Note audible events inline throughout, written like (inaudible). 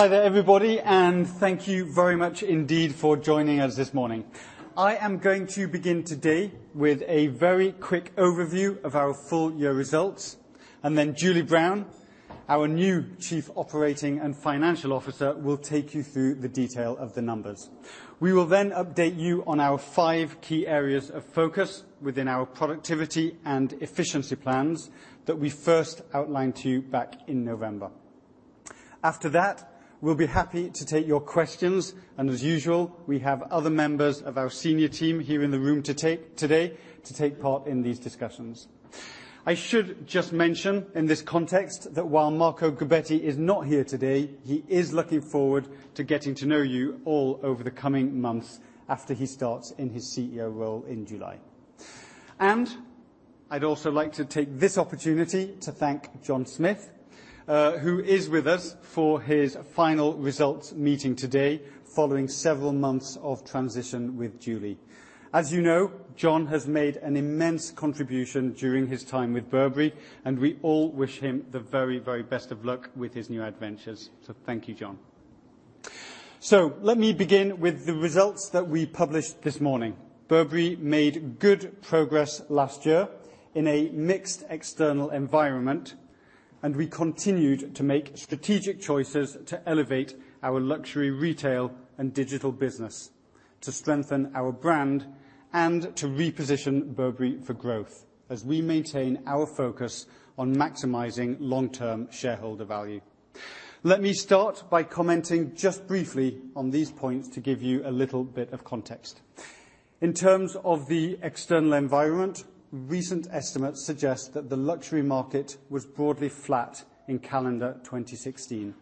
Okay. Hi there, everybody. Thank you very much indeed for joining us this morning. I am going to begin today with a very quick overview of our full-year results, and then Julie Brown, our new Chief Operating and Financial Officer, will take you through the detail of the numbers. We will update you on our five key areas of focus within our productivity and efficiency plans that we first outlined to you back in November. After that, we'll be happy to take your questions, and as usual, we have other members of our senior team here in the room today to take part in these discussions. I should just mention, in this context, that while Marco Gobbetti is not here today, he is looking forward to getting to know you all over the coming months after he starts in his CEO role in July. I'd also like to take this opportunity to thank John Smith, who is with us for his final results meeting today following several months of transition with Julie. As you know, John has made an immense contribution during his time with Burberry, and we all wish him the very best of luck with his new adventures. Thank you, John. Let me begin with the results that we published this morning. Burberry made good progress last year in a mixed external environment, and we continued to make strategic choices to elevate our luxury retail and digital business to strengthen our brand and to reposition Burberry for growth as we maintain our focus on maximizing long-term shareholder value. Let me start by commenting just briefly on these points to give you a little bit of context. In terms of the external environment, recent estimates suggest that the luxury market was broadly flat in calendar 2016.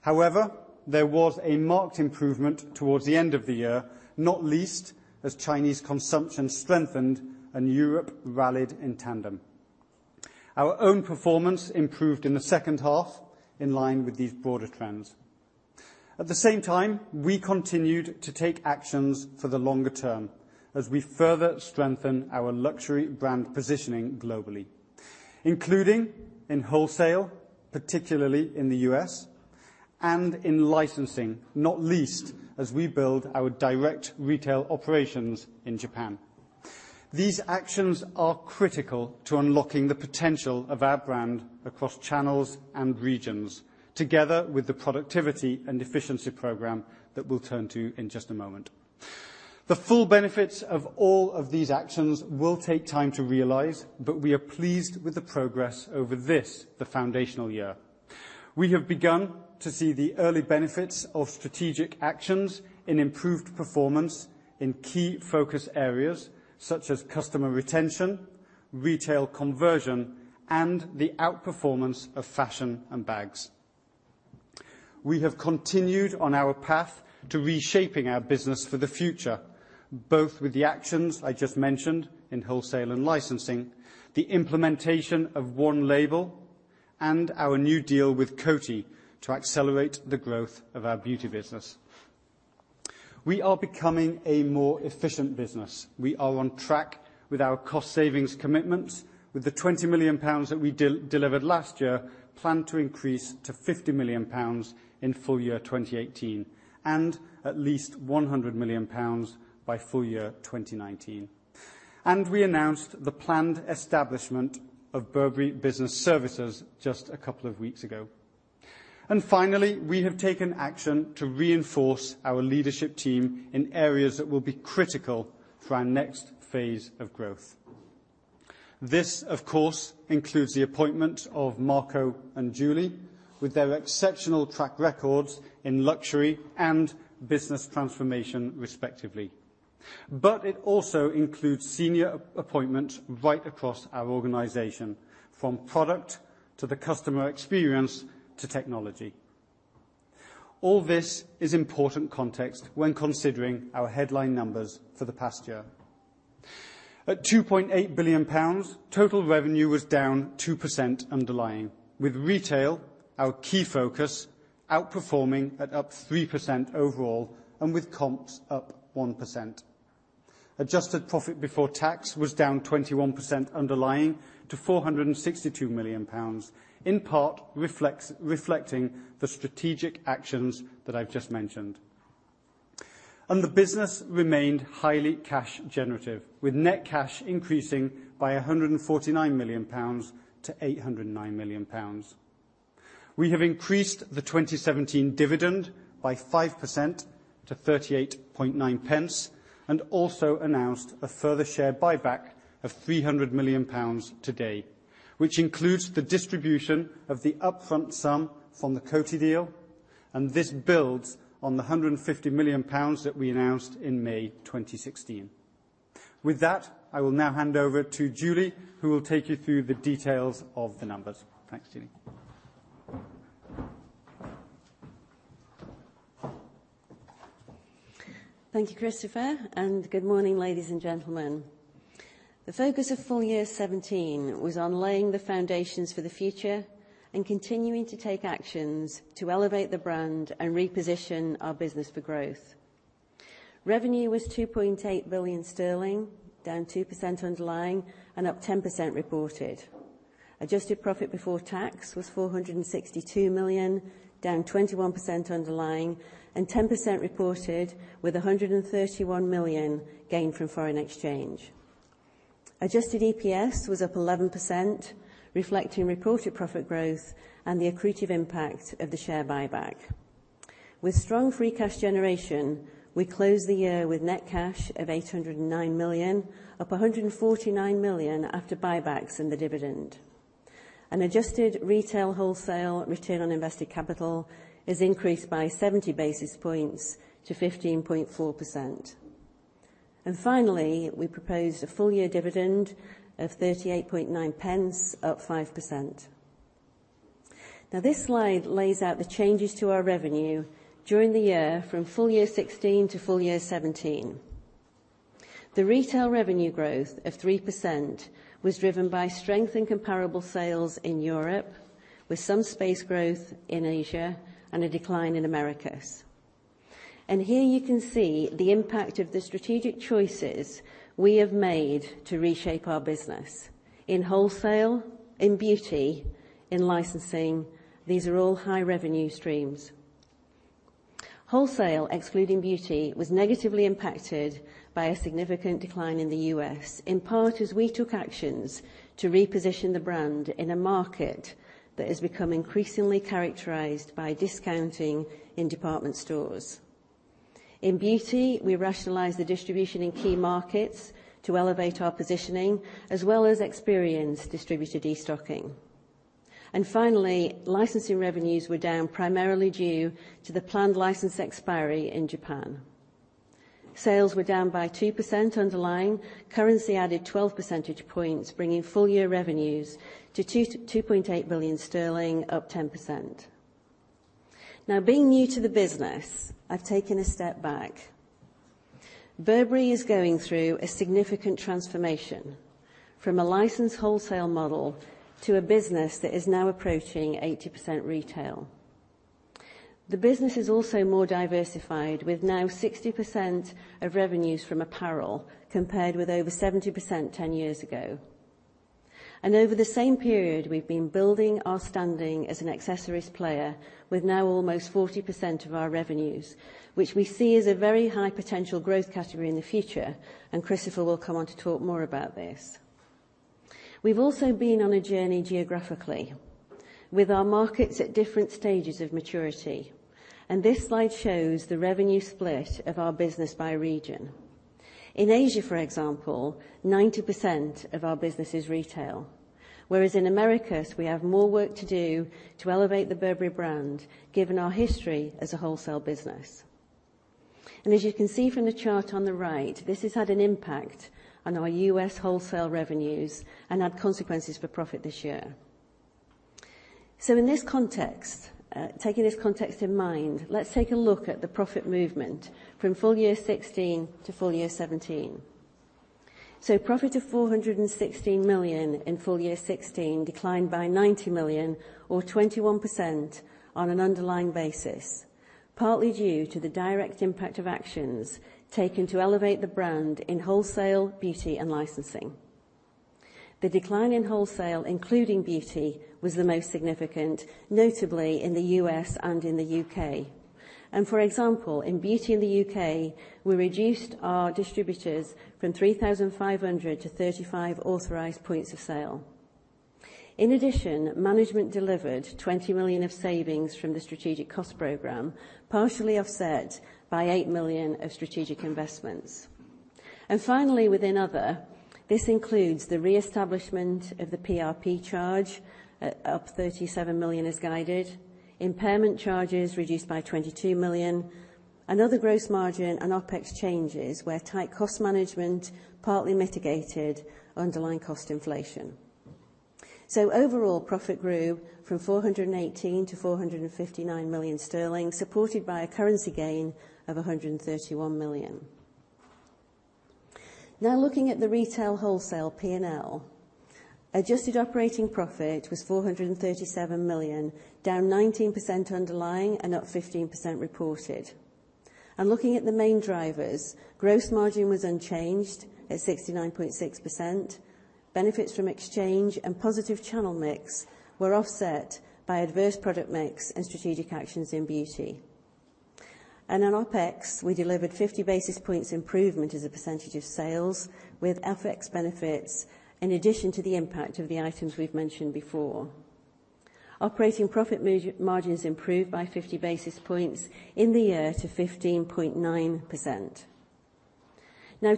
However, there was a marked improvement towards the end of the year, not least as Chinese consumption strengthened and Europe rallied in tandem. Our own performance improved in the 2nd half in line with these broader trends. At the same time, we continued to take actions for the longer term as we further strengthen our luxury brand positioning globally, including in wholesale, particularly in the U.S., and in licensing, not least as we build our direct retail operations in Japan. These actions are critical to unlocking the potential of our brand across channels and regions, together with the productivity and efficiency program that we'll turn to in just a moment. The full benefits of all of these actions will take time to realize, but we are pleased with the progress over this, the foundational year. We have begun to see the early benefits of strategic actions and improved performance in key focus areas such as customer retention, retail conversion, and the outperformance of fashion and bags. We have continued on our path to reshaping our business for the future, both with the actions I just mentioned in wholesale and licensing, the implementation of one label, and our new deal with Coty to accelerate the growth of our beauty business. We are becoming a more efficient business. We are on track with our cost savings commitments, with the 20 million pounds that we delivered last year planned to increase to 50 million pounds in full year 2018, and at least 100 million pounds by full year 2019. We announced the planned establishment of Burberry Business Services just a couple of weeks ago. Finally, we have taken action to reinforce our leadership team in areas that will be critical for our next phase of growth. This, of course, includes the appointment of Marco and Julie with their exceptional track records in luxury and business transformation respectively. It also includes senior appointments right across our organization, from product to the customer experience to technology. All this is important context when considering our headline numbers for the past year. At 2.8 billion pounds, total revenue was down 2% underlying, with retail, our key focus, outperforming at up 3% overall and with comps up 1%. Adjusted profit before tax was down 21% underlying to GBP 462 million, in part reflecting the strategic actions that I've just mentioned. The business remained highly cash generative, with net cash increasing by 149 million pounds to 809 million pounds. We have increased the 2017 dividend by 5% to 0.389, and also announced a further share buyback of 300 million pounds today, which includes the distribution of the upfront sum from the Coty deal, and this builds on the 150 million pounds that we announced in May 2016. With that, I will now hand over to Julie, who will take you through the details of the numbers. Thanks, Julie. Thank you, Christopher, and good morning, ladies and gentlemen. The focus of FY 2017 was on laying the foundations for the future and continuing to take actions to elevate the brand and reposition our business for growth. Revenue was 2.8 billion sterling, down 2% underlying and up 10% reported. Adjusted profit before tax was 462 million, down 21% underlying and 10% reported with 131 million gained from foreign exchange. Adjusted EPS was up 11%, reflecting reported profit growth and the accretive impact of the share buyback. With strong free cash generation, we closed the year with net cash of 809 million, up 149 million after buybacks and the dividend. Adjusted retail wholesale return on invested capital is increased by 70 basis points to 15.4%. Finally, we proposed a full year dividend of 0.389, up 5%. This slide lays out the changes to our revenue during the year from FY 2016 to FY 2017. The retail revenue growth of 3% was driven by strength in comparable sales in Europe with some space growth in Asia and a decline in Americas. Here you can see the impact of the strategic choices we have made to reshape our business. In wholesale, in beauty, in licensing, these are all high revenue streams. Wholesale, excluding beauty, was negatively impacted by a significant decline in the U.S., in part as we took actions to reposition the brand in a market that has become increasingly characterized by discounting in department stores. In beauty, we rationalized the distribution in key markets to elevate our positioning, as well as experience distributor de-stocking. Finally, licensing revenues were down primarily due to the planned license expiry in Japan. Sales were down by 2% underlying. Currency added 12 percentage points, bringing full year revenues to 2.8 billion sterling, up 10%. Being new to the business, I've taken a step back. Burberry is going through a significant transformation from a licensed wholesale model to a business that is now approaching 80% retail. The business is also more diversified with now 60% of revenues from apparel, compared with over 70% 10 years ago. Over the same period, we've been building our standing as an accessories player with now almost 40% of our revenues, which we see as a very high potential growth category in the future. Christopher will come on to talk more about this. We've also been on a journey geographically with our markets at different stages of maturity. This slide shows the revenue split of our business by region. In Asia, for example, 90% of our business is retail, whereas in Americas, we have more work to do to elevate the Burberry brand, given our history as a wholesale business. As you can see from the chart on the right, this has had an impact on our U.S. wholesale revenues and had consequences for profit this year. In this context, taking this context in mind, let's take a look at the profit movement from full year 2016 to full year 2017. Profit of 416 million in full year 2016 declined by 90 million or 21% on an underlying basis, partly due to the direct impact of actions taken to elevate the brand in wholesale, beauty and licensing. The decline in wholesale, including beauty, was the most significant, notably in the U.S. and in the U.K. For example, in beauty in the U.K., we reduced our distributors from 3,500 to 35 authorized points of sale. In addition, management delivered 20 million of savings from the strategic cost program, partially offset by 8 million of strategic investments. Finally, within other, this includes the reestablishment of the PRP charge of 37 million as guided. Impairment charges reduced by 22 million. Another gross margin and OpEx changes where tight cost management partly mitigated underlying cost inflation. Overall profit grew from 416 million to 459 million sterling, supported by a currency gain of 131 million. Looking at the retail wholesale P&L. Adjusted operating profit was 437 million, down 19% underlying and up 15% reported. Looking at the main drivers, gross margin was unchanged at 69.6%. Benefits from exchange and positive channel mix were offset by adverse product mix and strategic actions in beauty. On OpEx, we delivered 50 basis points improvement as a percentage of sales with FX benefits in addition to the impact of the items we've mentioned before. Operating profit margins improved by 50 basis points in the year to 15.9%.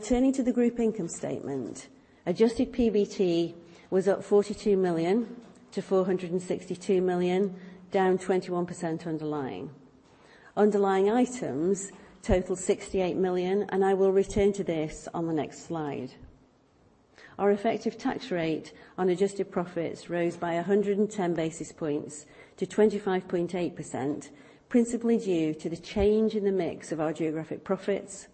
Turning to the group income statement. Adjusted PBT was up 42 million to 462 million, down 21% underlying. Underlying items total 68 million. I will return to this on the next slide. Our effective tax rate on adjusted profits rose by 110 basis points to 25.8%, principally due to the change in the mix of our geographic profits,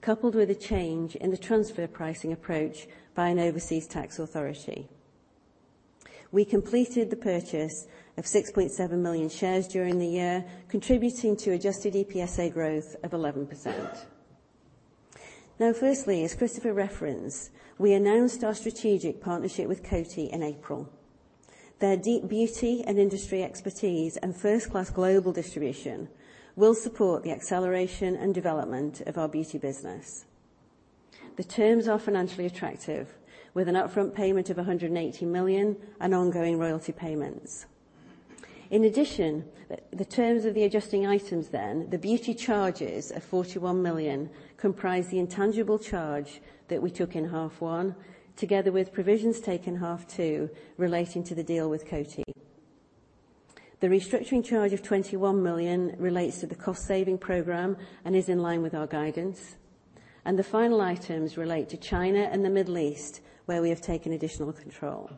coupled with a change in the transfer pricing approach by an overseas tax authority. We completed the purchase of 6.7 million shares during the year, contributing to adjusted EPS growth of 11%. Firstly, as Christopher referenced, we announced our strategic partnership with Coty in April. Their deep beauty and industry expertise and first-class global distribution will support the acceleration and development of our beauty business. The terms are financially attractive, with an upfront payment of 180 million and ongoing royalty payments. In addition, the terms of the adjusting items then, the beauty charges of 41 million comprise the intangible charge that we took in half 1, together with provisions taken half 2 relating to the deal with Coty. The restructuring charge of 21 million relates to the cost-saving program and is in line with our guidance. The final items relate to China and the Middle East, where we have taken additional control.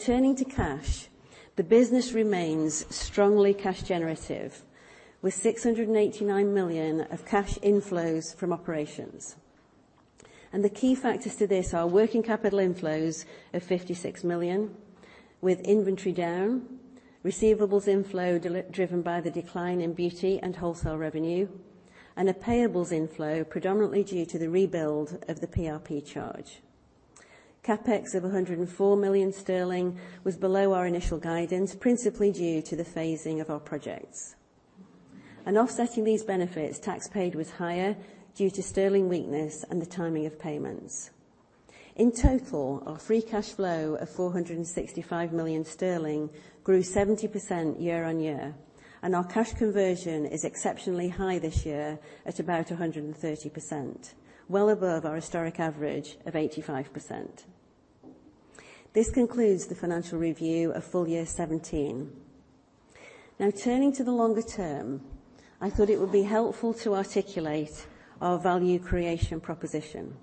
Turning to cash, the business remains strongly cash generative, with 689 million of cash inflows from operations. The key factors to this are working capital inflows of 56 million, with inventory down, receivables inflow driven by the decline in beauty and wholesale revenue, and a payables inflow predominantly due to the rebuild of the PRP charge. CapEx of 104 million sterling was below our initial guidance, principally due to the phasing of our projects. Offsetting these benefits, tax paid was higher due to sterling weakness and the timing of payments. In total, our free cash flow of 465 million sterling grew 70% year-on-year, and our cash conversion is exceptionally high this year at about 130%, well above our historic average of 85%. This concludes the financial review of full year 2017. Turning to the longer term, I thought it would be helpful to articulate our value creation proposition.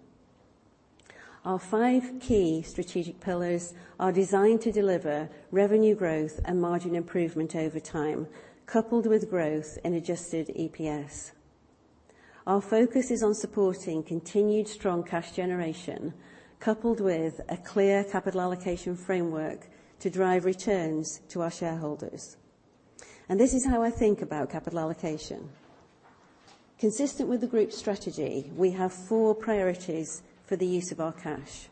Our five key strategic pillars are designed to deliver revenue growth and margin improvement over time, coupled with growth in adjusted EPS. Our focus is on supporting continued strong cash generation, coupled with a clear capital allocation framework to drive returns to our shareholders. This is how I think about capital allocation. Consistent with the group strategy, we have four priorities for the use of our cash.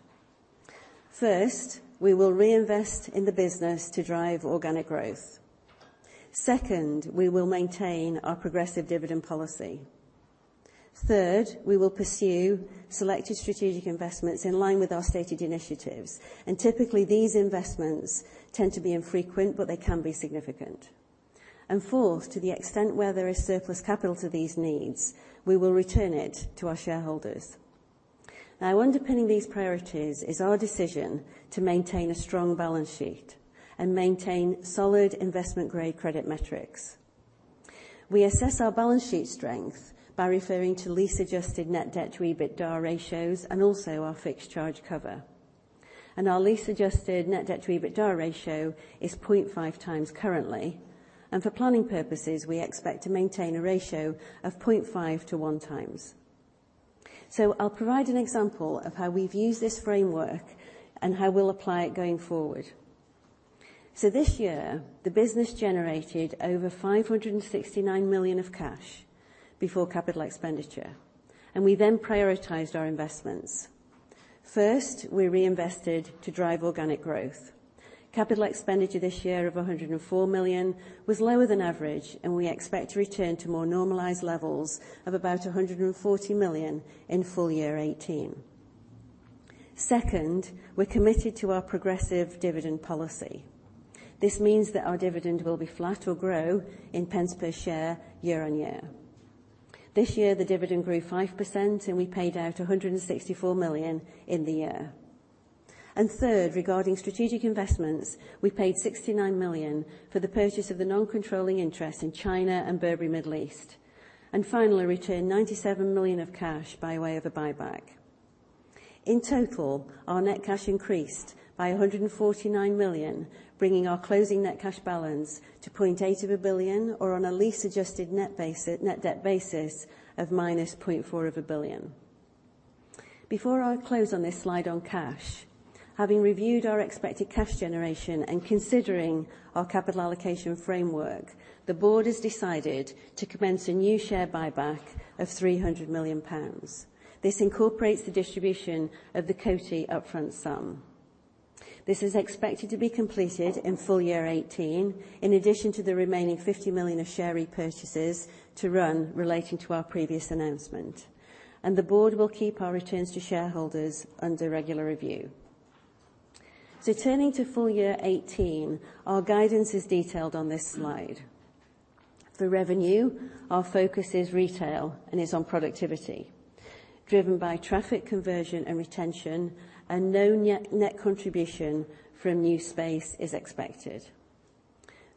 First, we will reinvest in the business to drive organic growth. Second, we will maintain our progressive dividend policy. Third, we will pursue selected strategic investments in line with our stated initiatives. Typically, these investments tend to be infrequent, but they can be significant. Fourth, to the extent where there is surplus capital to these needs, we will return it to our shareholders. Underpinning these priorities is our decision to maintain a strong balance sheet and maintain solid investment-grade credit metrics. We assess our balance sheet strength by referring to lease adjusted net debt to EBITDA ratios and also our fixed charge cover. Our lease adjusted net debt to EBITDA ratio is 0.5 times currently. For planning purposes, we expect to maintain a ratio of 0.5 to 1 times. I'll provide an example of how we've used this framework and how we'll apply it going forward. This year, the business generated over 569 million of cash before capital expenditure. We then prioritized our investments. First, we reinvested to drive organic growth. Capital expenditure this year of 104 million was lower than average, and we expect to return to more normalized levels of about 140 million in full year 2018. Second, we're committed to our progressive dividend policy. This means that our dividend will be flat or grow in pence per share year on year. This year, the dividend grew 5%, and we paid out 164 million in the year. Third, regarding strategic investments, we paid 69 million for the purchase of the non-controlling interest in China and Burberry Middle East. Finally, returned 97 million of cash by way of a buyback. In total, our net cash increased by 149 million, bringing our closing net cash balance to 0.8 billion or on a lease adjusted net debt basis of minus 0.4 billion. Before I close on this slide on cash, having reviewed our expected cash generation and considering our capital allocation framework, the board has decided to commence a new share buyback of £300 million. This incorporates the distribution of the Coty upfront sum. This is expected to be completed in full year 2018, in addition to the remaining 50 million of share repurchases to run relating to our previous announcement. The board will keep our returns to shareholders under regular review. Turning to full year 2018, our guidance is detailed on this slide. For revenue, our focus is retail and is on productivity, driven by traffic conversion and retention, and no net contribution from new space is expected.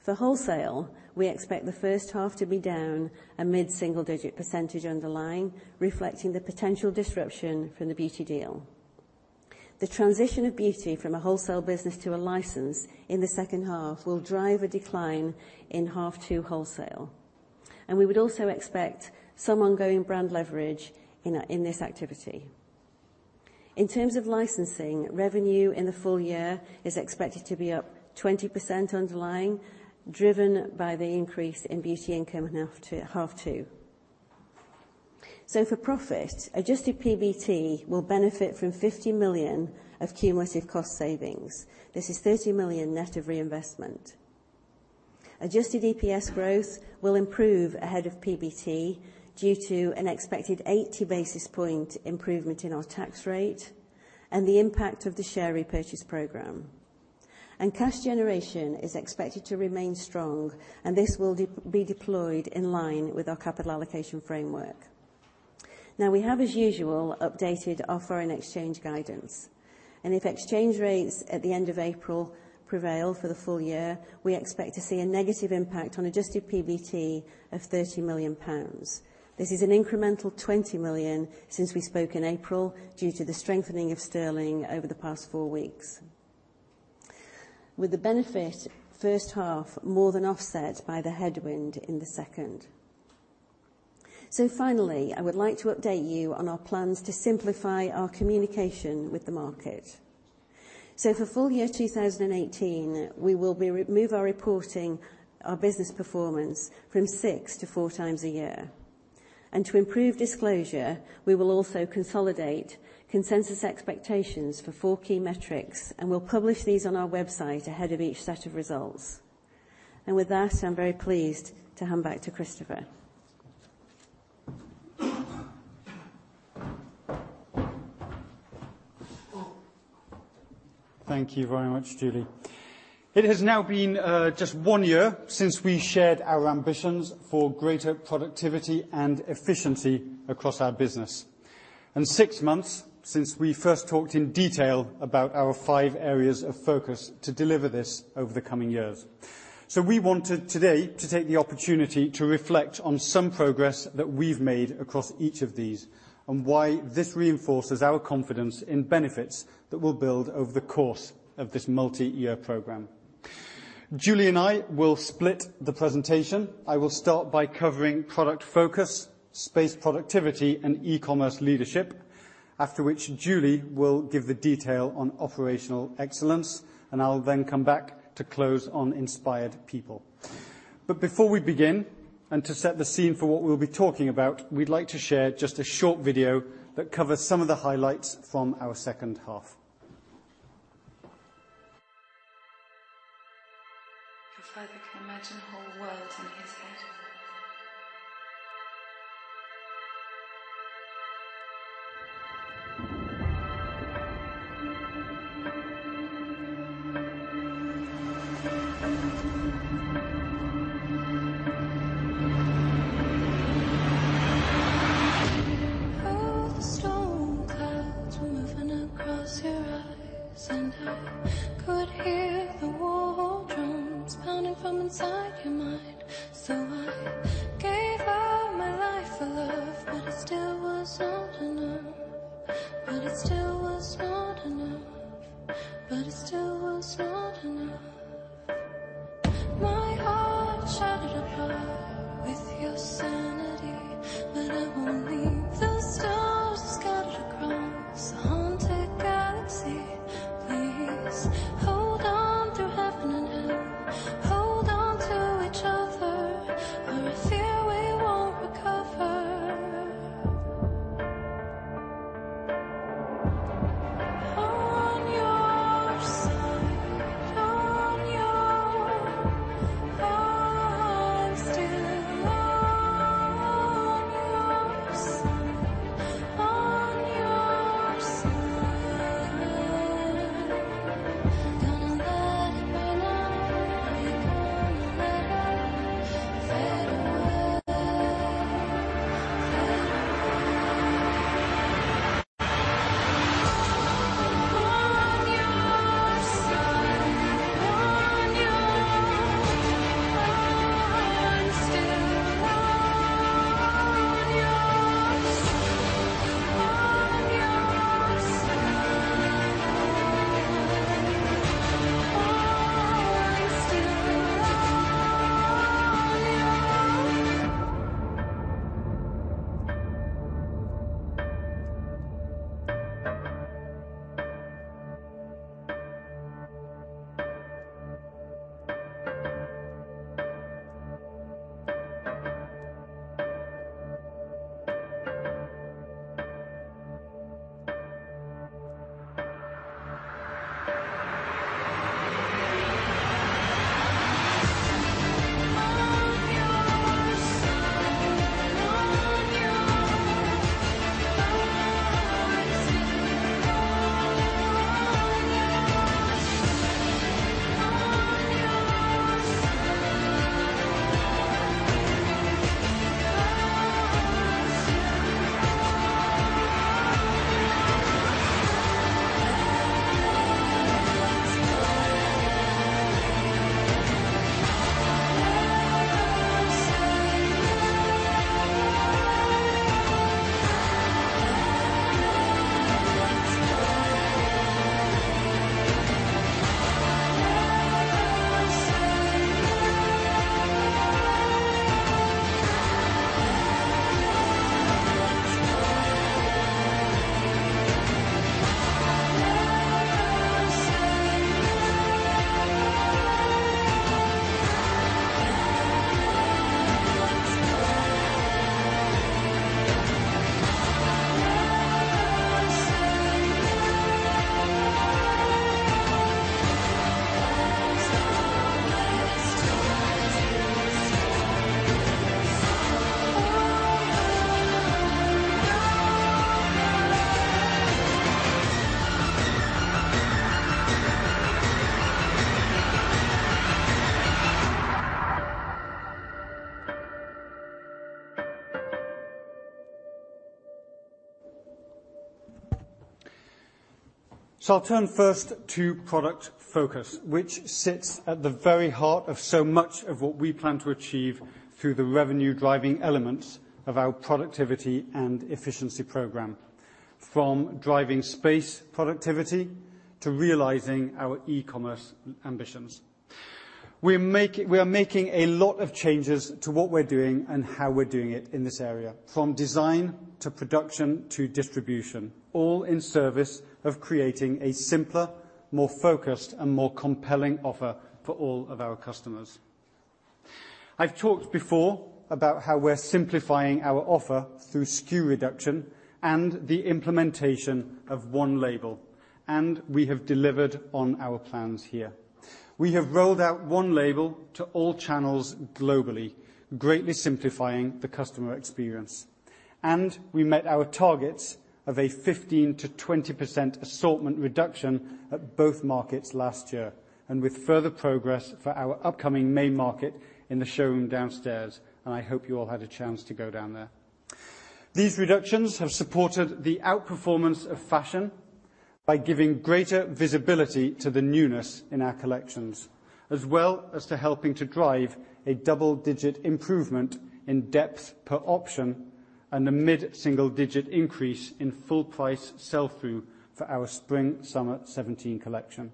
For wholesale, we expect the first half to be down a mid-single digit percentage underlying, reflecting the potential disruption from the beauty deal. The transition of beauty from a wholesale business to a license in the second half will drive a decline in half two wholesale. We would also expect some ongoing brand leverage in this activity. In terms of licensing, revenue in the full year is expected to be up 20% underlying, driven by the increase in beauty income in half two. For profit, adjusted PBT will benefit from 50 million of cumulative cost savings. This is 30 million net of reinvestment. Adjusted EPS growth will improve ahead of PBT due to an expected 80 basis point improvement in our tax rate and the impact of the share repurchase program. Cash generation is expected to remain strong, and this will be deployed in line with our capital allocation framework. We have, as usual, updated our foreign exchange guidance, and if exchange rates at the end of April prevail for the full year, we expect to see a negative impact on adjusted PBT of £30 million. This is an incremental 20 million since we spoke in April due to the strengthening of sterling over the past four weeks. With the benefit first half more than offset by the headwind in the second. Finally, I would like to update you on our plans to simplify our communication with the market. For full year 2018, we will remove our reporting our business performance from six to four times a year. To improve disclosure, we will also consolidate consensus expectations for four key metrics, and we will publish these on our website ahead of each set of results. With that, I am very pleased to hand back to Christopher. Thank you very much, Julie. It has now been just one year since we shared our ambitions for greater productivity and efficiency across our business, and six months since we first talked in detail about our five areas of focus to deliver this over the coming years. We wanted today to take the opportunity to reflect on some progress that we've made across each of these, and why this reinforces our confidence in benefits that will build over the course of this multi-year program. Julie and I will split the presentation. I will start by covering product focus, space productivity, and e-commerce leadership, after which Julie will give the detail on operational excellence, and I'll then come back to close on inspired people. Before we begin, and to set the scene for what we'll be talking about, we'd like to share just a short video that covers some of the highlights from our second half. Your father can imagine whole worlds in his head. of creating a simpler, more focused, and more compelling offer for all of our customers. I've talked before about how we're simplifying our offer through SKU reduction and the implementation of one label, and we have delivered on our plans here. We have rolled out one label to all channels globally, greatly simplifying the customer experience. We met our targets of a 15%-20% assortment reduction at both markets last year, with further progress for our upcoming May market in the showroom downstairs, and I hope you all had a chance to go down there. These reductions have supported the outperformance of fashion by giving greater visibility to the newness in our collections, as well as to helping to drive a double-digit improvement in depth per option and a mid-single-digit increase in full price sell-through for our Spring/Summer 2017 collection.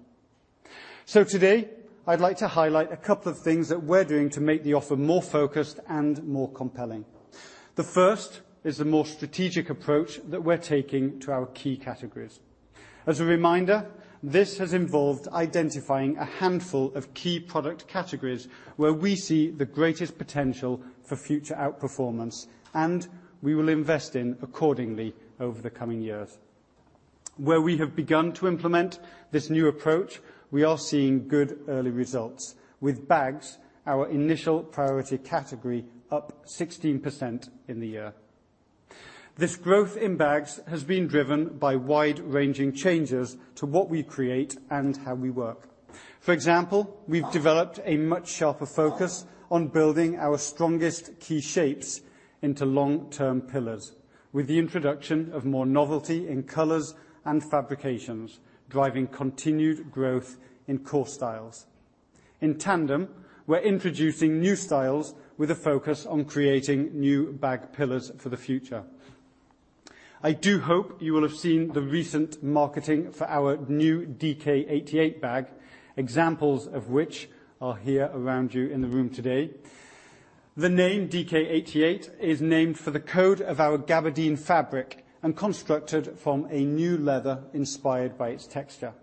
Today, I'd like to highlight a couple of things that we're doing to make the offer more focused and more compelling. The first is the more strategic approach that we're taking to our key categories. As a reminder, this has involved identifying a handful of key product categories where we see the greatest potential for future outperformance, and we will invest in accordingly over the coming years. Where we have begun to implement this new approach, we are seeing good early results, with bags, our initial priority category, up 16% in the year. This growth in bags has been driven by wide-ranging changes to what we create and how we work. For example, we've developed a much sharper focus on building our strongest key shapes into long-term pillars with the introduction of more novelty in colors and fabrications, driving continued growth in core styles. In tandem, we're introducing new styles with a focus on creating new bag pillars for the future. I do hope you will have seen the recent marketing for our new DK88 bag, examples of which are here around you in the room today. The name DK88 is named for the code of our gabardine fabric and constructed from a new leather inspired by its texture.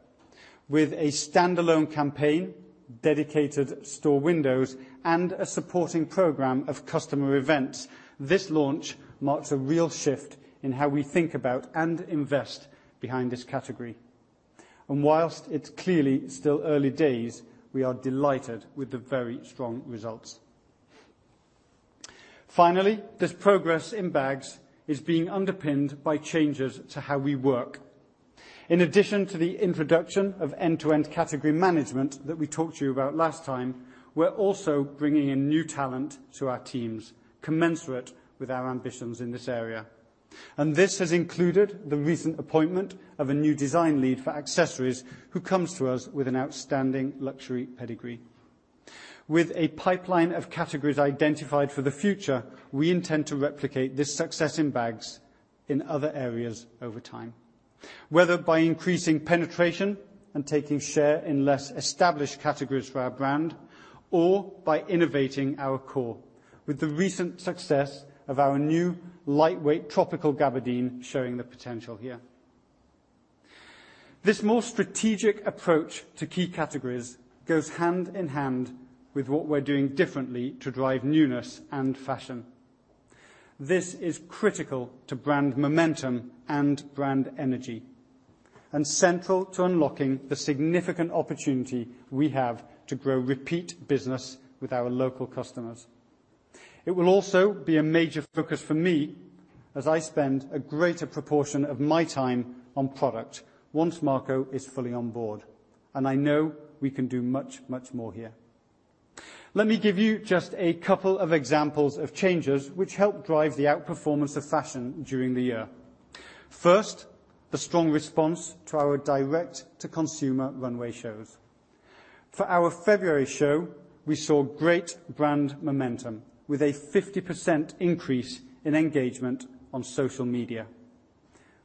With a standalone campaign, dedicated store windows, and a supporting program of customer events, this launch marks a real shift in how we think about and invest behind this category. Whilst it's clearly still early days, we are delighted with the very strong results. Finally, this progress in bags is being underpinned by changes to how we work. In addition to the introduction of end-to-end category management that we talked to you about last time, we're also bringing in new talent to our teams commensurate with our ambitions in this area. This has included the recent appointment of a new design lead for accessories who comes to us with an outstanding luxury pedigree. With a pipeline of categories identified for the future, we intend to replicate this success in bags in other areas over time, whether by increasing penetration and taking share in less established categories for our brand, or by innovating our core. With the recent success of our new lightweight tropical gabardine showing the potential here. This more strategic approach to key categories goes hand in hand with what we're doing differently to drive newness and fashion. This is critical to brand momentum and brand energy, and central to unlocking the significant opportunity we have to grow repeat business with our local customers. It will also be a major focus for me as I spend a greater proportion of my time on product once Marco is fully on board. I know we can do much, much more here. Let me give you just a couple of examples of changes which help drive the outperformance of fashion during the year. First, the strong response to our direct-to-consumer runway shows. For our February show, we saw great brand momentum with a 50% increase in engagement on social media.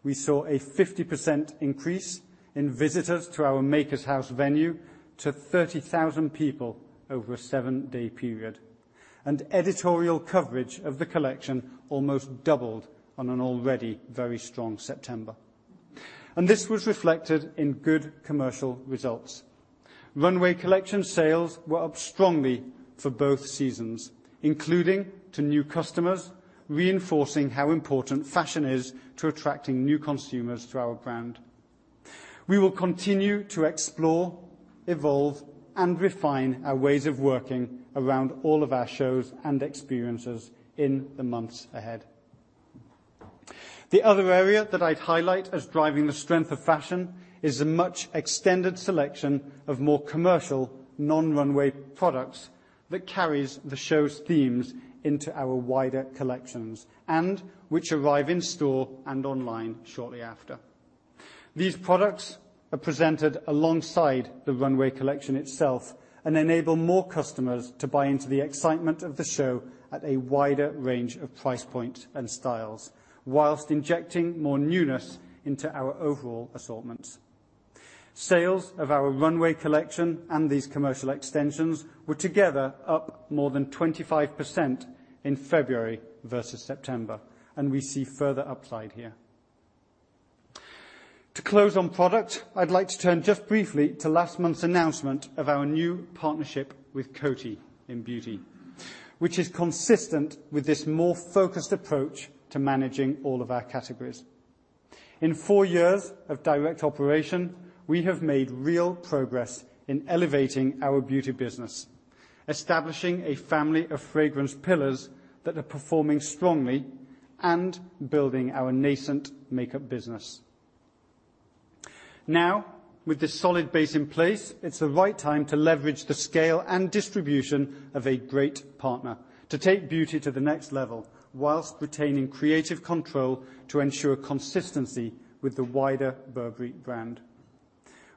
We saw a 50% increase in visitors to our Makers House venue to 30,000 people over a seven-day period. Editorial coverage of the collection almost doubled on an already very strong September. This was reflected in good commercial results. Runway collection sales were up strongly for both seasons, including to new customers, reinforcing how important fashion is to attracting new consumers to our brand. We will continue to explore, evolve, and refine our ways of working around all of our shows and experiences in the months ahead. The other area that I'd highlight as driving the strength of fashion is a much extended selection of more commercial non-runway products that carries the show's themes into our wider collections, and which arrive in store and online shortly after. These products are presented alongside the runway collection itself and enable more customers to buy into the excitement of the show at a wider range of price points and styles, whilst injecting more newness into our overall assortments. Sales of our runway collection and these commercial extensions were together up more than 25% in February versus September, and we see further upside here. To close on product, I'd like to turn just briefly to last month's announcement of our new partnership with Coty in beauty, which is consistent with this more focused approach to managing all of our categories. In four years of direct operation, we have made real progress in elevating our beauty business, establishing a family of fragrance pillars that are performing strongly and building our nascent makeup business. Now, with this solid base in place, it's the right time to leverage the scale and distribution of a great partner to take beauty to the next level whilst retaining creative control to ensure consistency with the wider Burberry brand.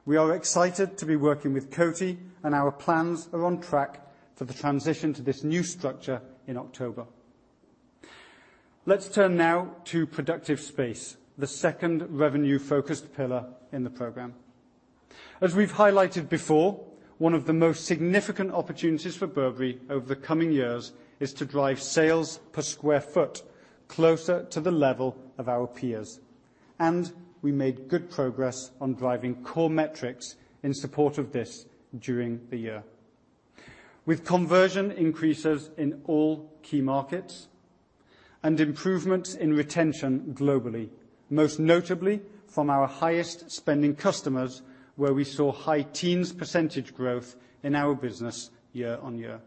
We are excited to be working with Coty, and our plans are on track for the transition to this new structure in October. Let's turn now to productive space, the second revenue-focused pillar in the program. As we've highlighted before, one of the most significant opportunities for Burberry over the coming years is to drive sales per square foot closer to the level of our peers. We made good progress on driving core metrics in support of this during the year. With conversion increases in all key markets and improvements in retention globally, most notably from our highest-spending customers, where we saw high teens % growth in our business year-on-year.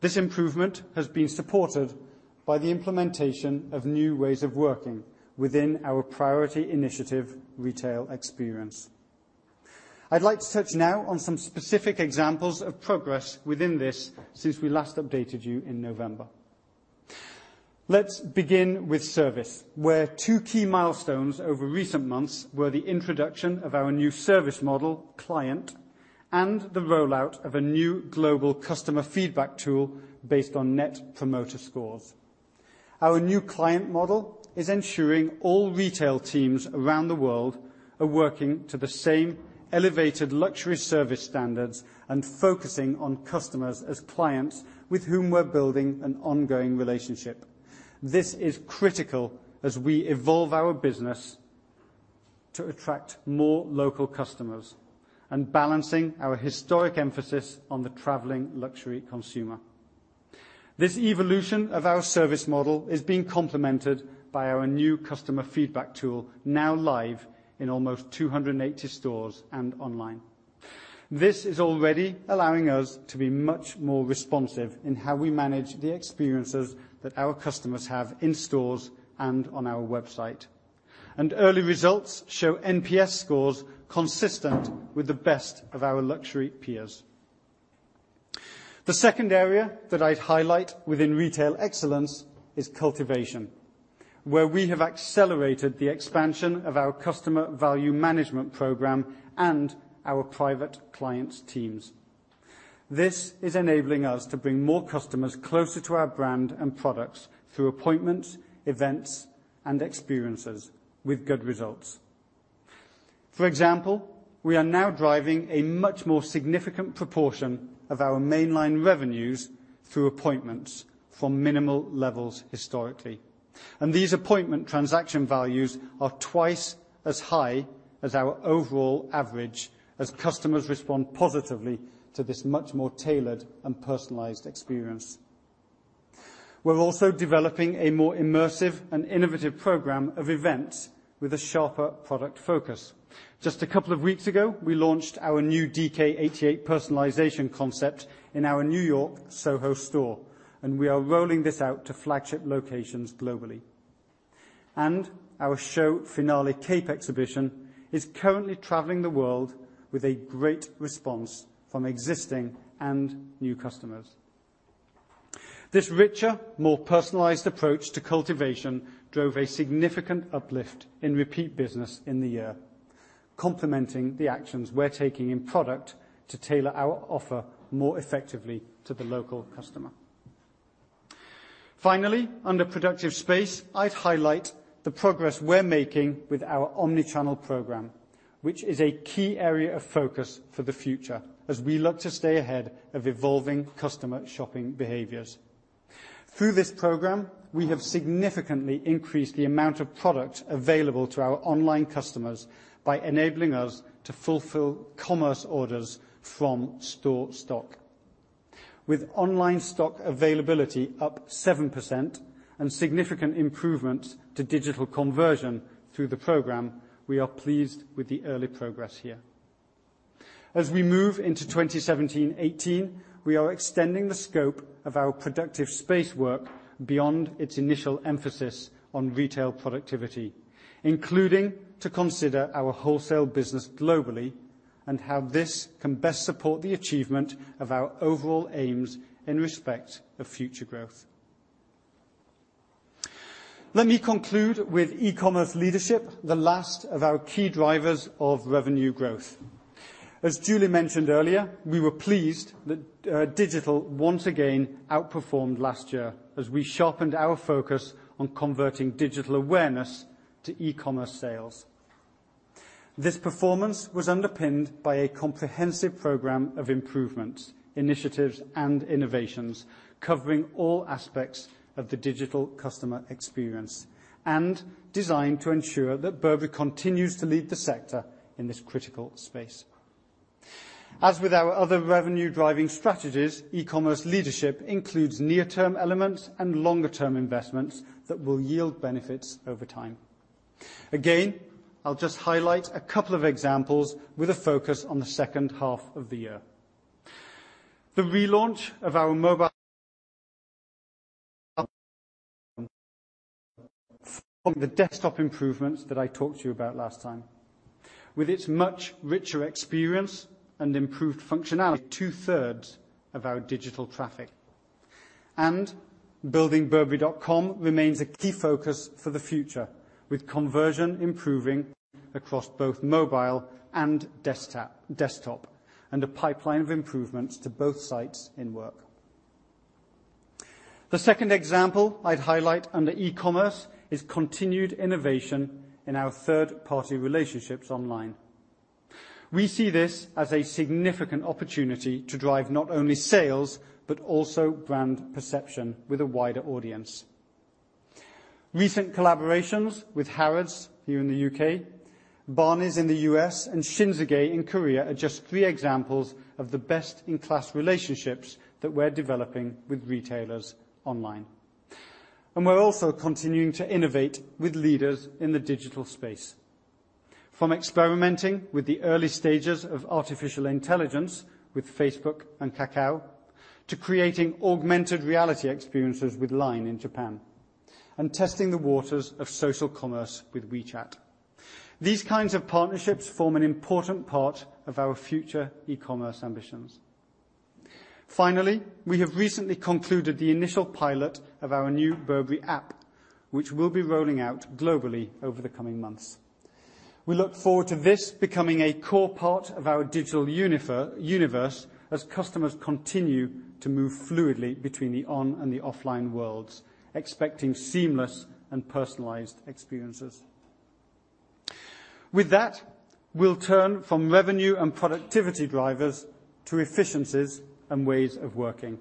This improvement has been supported by the implementation of new ways of working within our priority initiative retail experience. I'd like to touch now on some specific examples of progress within this since we last updated you in November. Let's begin with service, where two key milestones over recent months were the introduction of our new service model client and the rollout of a new global customer feedback tool based on Net Promoter Score. Our new client model is ensuring all retail teams around the world are working to the same elevated luxury service standards and focusing on customers as clients with whom we're building an ongoing relationship. This is critical as we evolve our business to attract more local customers and balancing our historic emphasis on the traveling luxury consumer. This evolution of our service model is being complemented by our new customer feedback tool, now live in almost 280 stores and online. This is already allowing us to be much more responsive in how we manage the experiences that our customers have in stores and on our website. Early results show NPS scores consistent with the best of our luxury peers. The second area that I'd highlight within retail excellence is cultivation, where we have accelerated the expansion of our customer value management program and our private clients teams. This is enabling us to bring more customers closer to our brand and products through appointments, events, and experiences with good results. For example, we are now driving a much more significant proportion of our mainline revenues through appointments from minimal levels historically. These appointment transaction values are twice as high as our overall average as customers respond positively to this much more tailored and personalized experience. We're also developing a more immersive and innovative program of events with a sharper product focus. Just a couple of weeks ago, we launched our new DK88 personalization concept in our New York Soho store, and we are rolling this out to flagship locations globally. Our show finale Cape Exhibition is currently traveling the world with a great response from existing and new customers. This richer, more personalized approach to cultivation drove a significant uplift in repeat business in the year, complementing the actions we're taking in product to tailor our offer more effectively to the local customer. Finally, under productive space, I'd highlight the progress we're making with our omnichannel program, which is a key area of focus for the future as we look to stay ahead of evolving customer shopping behaviors. Through this program, we have significantly increased the amount of product available to our online customers by enabling us to fulfill commerce orders from store stock. With online stock availability up 7% and significant improvements to digital conversion through the program, we are pleased with the early progress here. As we move into 2017-18, we are extending the scope of our productive space work beyond its initial emphasis on retail productivity, including to consider our wholesale business globally and how this can best support the achievement of our overall aims in respect of future growth. Let me conclude with e-commerce leadership, the last of our key drivers of revenue growth. As Julie mentioned earlier, we were pleased that digital once again outperformed last year as we sharpened our focus on converting digital awareness to e-commerce sales. This performance was underpinned by a comprehensive program of improvements, initiatives, and innovations covering all aspects of the digital customer experience and designed to ensure that Burberry continues to lead the sector in this critical space. As with our other revenue-driving strategies, e-commerce leadership includes near-term elements and longer-term investments that will yield benefits over time. Again, I'll just highlight two examples with a focus on the second half of the year. The relaunch of our (inaudible) improvements that I talked to you about last time, with its much richer experience and improved functionality, two-thirds of our digital traffic. Building burberry.com remains a key focus for the future, with conversion improving across both mobile and desktop, and a pipeline of improvements to both sites in work. The second example I'd highlight under e-commerce is continued innovation in our third-party relationships online. We see this as a significant opportunity to drive not only sales, but also brand perception with a wider audience. Recent collaborations with Harrods here in the U.K., Barneys in the U.S., and Shinsegae in Korea are just three examples of the best-in-class relationships that we're developing with retailers online. We're also continuing to innovate with leaders in the digital space. From experimenting with the early stages of artificial intelligence with Facebook and Kakao, to creating augmented reality experiences with Line in Japan, and testing the waters of social commerce with WeChat. These kinds of partnerships form an important part of our future e-commerce ambitions. Finally, we have recently concluded the initial pilot of our new Burberry app, which we'll be rolling out globally over the coming months. We look forward to this becoming a core part of our digital universe as customers continue to move fluidly between the on and the offline worlds, expecting seamless and personalized experiences. With that, we'll turn from revenue and productivity drivers to efficiencies and ways of working.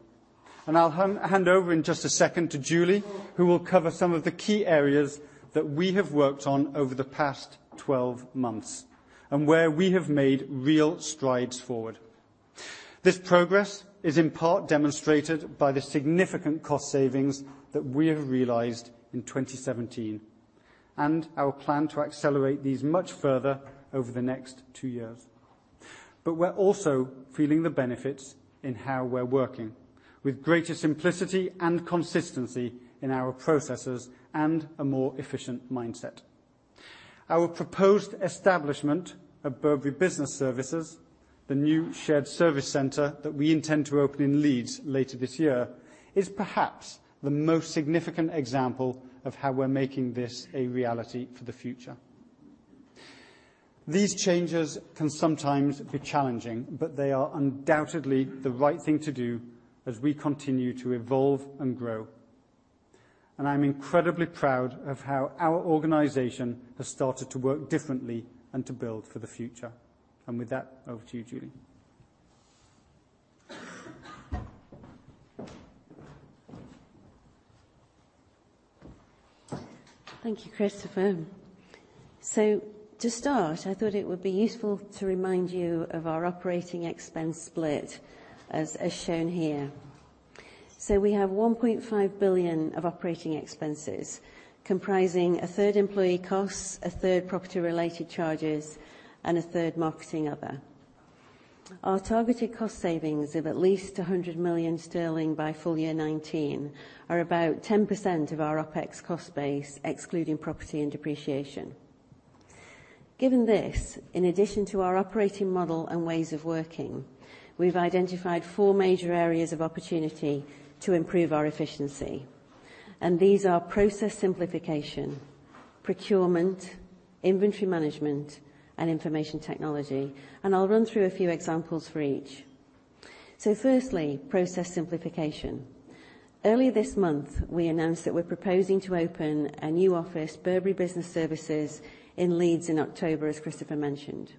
I'll hand over in just a second to Julie, who will cover some of the key areas that we have worked on over the past 12 months and where we have made real strides forward. This progress is in part demonstrated by the significant cost savings that we have realized in 2017 and our plan to accelerate these much further over the next two years. We're also feeling the benefits in how we're working, with greater simplicity and consistency in our processes and a more efficient mindset. Our proposed establishment of Burberry Business Services, the new shared service center that we intend to open in Leeds later this year, is perhaps the most significant example of how we're making this a reality for the future. These changes can sometimes be challenging, but they are undoubtedly the right thing to do as we continue to evolve and grow. I'm incredibly proud of how our organization has started to work differently and to build for the future. With that, over to you, Julie. Thank you, Christopher. To start, I thought it would be useful to remind you of our operating expense split as shown here. We have 1.5 billion of operating expenses comprising a third employee costs, a third property-related charges, and a third marketing other. Our targeted cost savings of at least 100 million sterling by FY 2019 are about 10% of our OpEx cost base, excluding property and depreciation. Given this, in addition to our operating model and ways of working, we've identified four major areas of opportunity to improve our efficiency. These are process simplification, procurement, inventory management, and information technology. I'll run through a few examples for each. Firstly, process simplification. Earlier this month, we announced that we're proposing to open a new office, Burberry Business Services, in Leeds in October, as Christopher mentioned.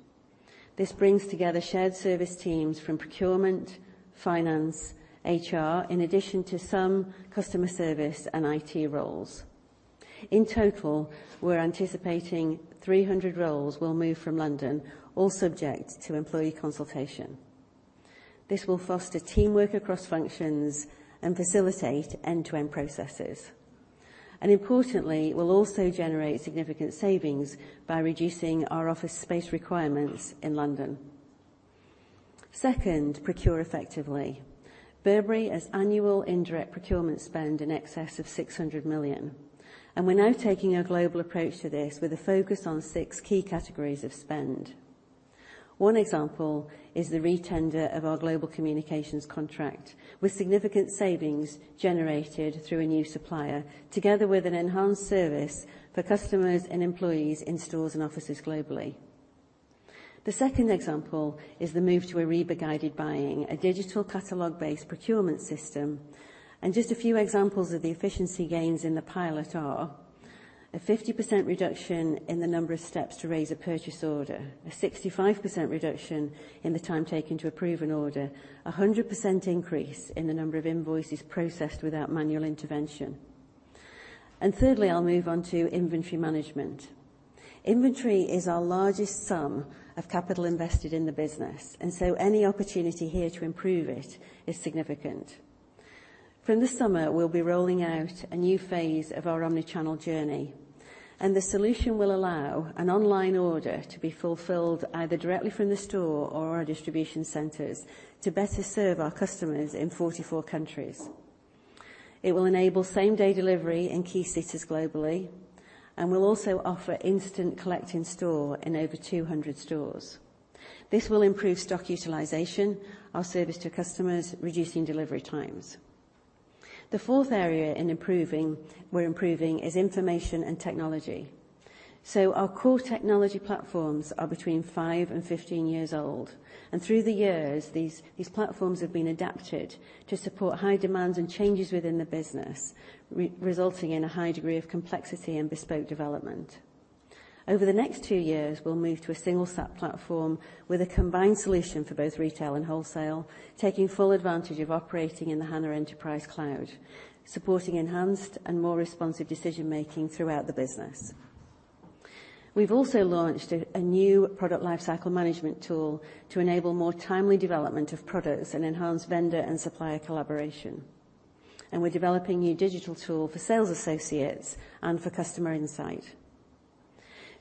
This brings together shared service teams from procurement, finance, HR, in addition to some customer service and IT roles. In total, we're anticipating 300 roles will move from London, all subject to employee consultation. This will foster teamwork across functions and facilitate end-to-end processes, and importantly, will also generate significant savings by reducing our office space requirements in London. Second, procure effectively. Burberry has annual indirect procurement spend in excess of 600 million, and we're now taking a global approach to this with a focus on six key categories of spend. One example is the retender of our global communications contract, with significant savings generated through a new supplier, together with an enhanced service for customers and employees in stores and offices globally. The second example is the move to SAP Ariba Guided Buying, a digital catalog-based procurement system. Just a few examples of the efficiency gains in the pilot are a 50% reduction in the number of steps to raise a purchase order, a 65% reduction in the time taken to approve an order, 100% increase in the number of invoices processed without manual intervention. Thirdly, I'll move on to inventory management. Inventory is our largest sum of capital invested in the business, so any opportunity here to improve it is significant. From this summer, we'll be rolling out a new phase of our omnichannel journey, the solution will allow an online order to be fulfilled either directly from the store or our distribution centers to better serve our customers in 44 countries. It will enable same-day delivery in key cities globally, will also offer instant collect in-store in over 200 stores. This will improve stock utilization, our service to customers, reducing delivery times. The fourth area we're improving is information and technology. Our core technology platforms are between five and 15 years old. Through the years, these platforms have been adapted to support high demands and changes within the business, resulting in a high degree of complexity and bespoke development. Over the next 2 years, we'll move to a single stack platform with a combined solution for both retail and wholesale, taking full advantage of operating in the SAP HANA Enterprise Cloud, supporting enhanced and more responsive decision-making throughout the business. We've also launched a new product lifecycle management tool to enable more timely development of products and enhance vendor and supplier collaboration. We're developing new digital tool for sales associates and for customer insight.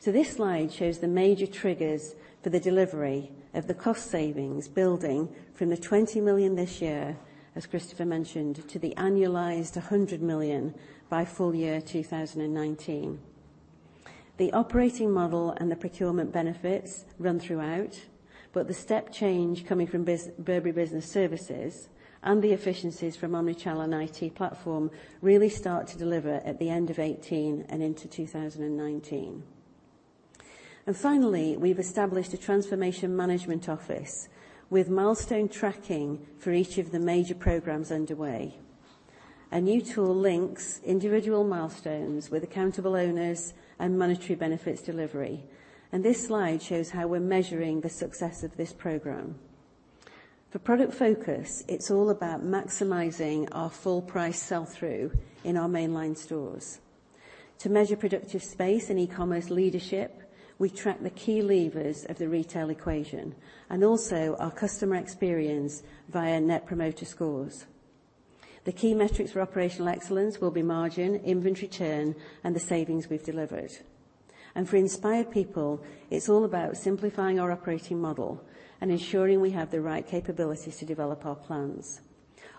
This slide shows the major triggers for the delivery of the cost savings building from the 20 million this year, as Christopher mentioned, to the annualized 100 million by FY 2019. The operating model and the procurement benefits run throughout, but the step change coming from Burberry Business Services and the efficiencies from omnichannel and IT platform really start to deliver at the end of 2018 and into 2019. Finally, we've established a transformation management office with milestone tracking for each of the major programs underway. A new tool links individual milestones with accountable owners and monetary benefits delivery. This slide shows how we're measuring the success of this program. For product focus, it's all about maximizing our full price sell-through in our mainline stores. To measure productive space and e-commerce leadership, we track the key levers of the retail equation and also our customer experience via Net Promoter Scores. The key metrics for operational excellence will be margin, inventory turn, and the savings we've delivered. For inspired people, it's all about simplifying our operating model and ensuring we have the right capabilities to develop our plans.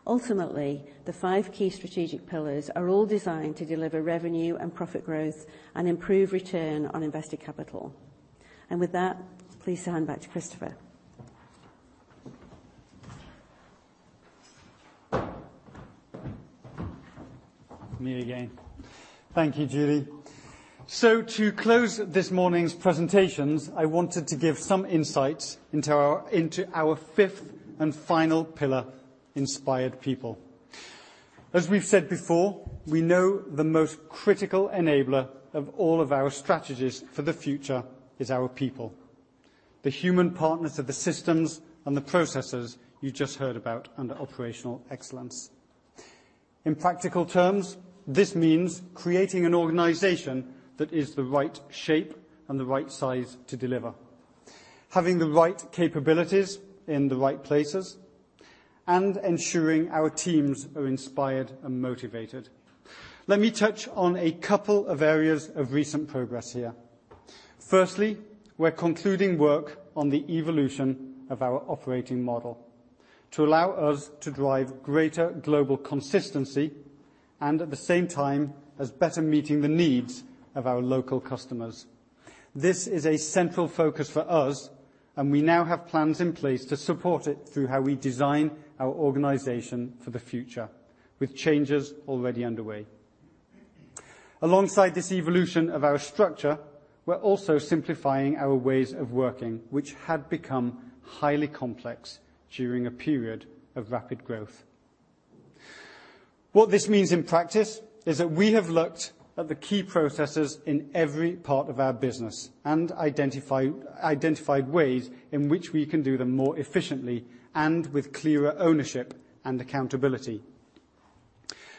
Ultimately, the five key strategic pillars are all designed to deliver revenue and profit growth and improve return on invested capital. With that, please hand back to Christopher. Me again. Thank you, Julie. To close this morning's presentations, I wanted to give some insights into our fifth and final pillar, inspired people. As we've said before, we know the most critical enabler of all of our strategies for the future is our people, the human partners of the systems and the processes you just heard about under operational excellence. In practical terms, this means creating an organization that is the right shape and the right size to deliver. Having the right capabilities in the right places and ensuring our teams are inspired and motivated. Let me touch on a couple of areas of recent progress here. Firstly, we're concluding work on the evolution of our operating model to allow us to drive greater global consistency, and at the same time, as better meeting the needs of our local customers. This is a central focus for us. We now have plans in place to support it through how we design our organization for the future, with changes already underway. Alongside this evolution of our structure, we're also simplifying our ways of working, which had become highly complex during a period of rapid growth. What this means in practice is that we have looked at the key processes in every part of our business and identified ways in which we can do them more efficiently and with clearer ownership and accountability.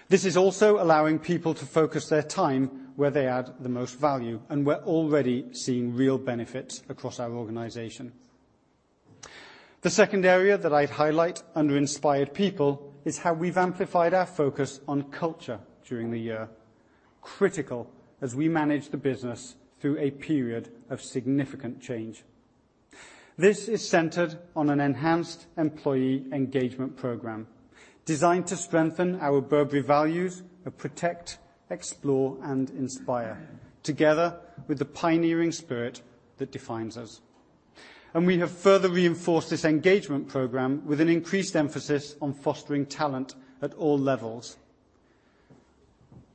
This is also allowing people to focus their time where they add the most value. We're already seeing real benefits across our organization. The second area that I'd highlight under Inspired People is how we've amplified our focus on culture during the year, critical as we manage the business through a period of significant change. This is centered on an enhanced employee engagement program designed to strengthen our Burberry values of protect, explore, and inspire, together with the pioneering spirit that defines us. We have further reinforced this engagement program with an increased emphasis on fostering talent at all levels,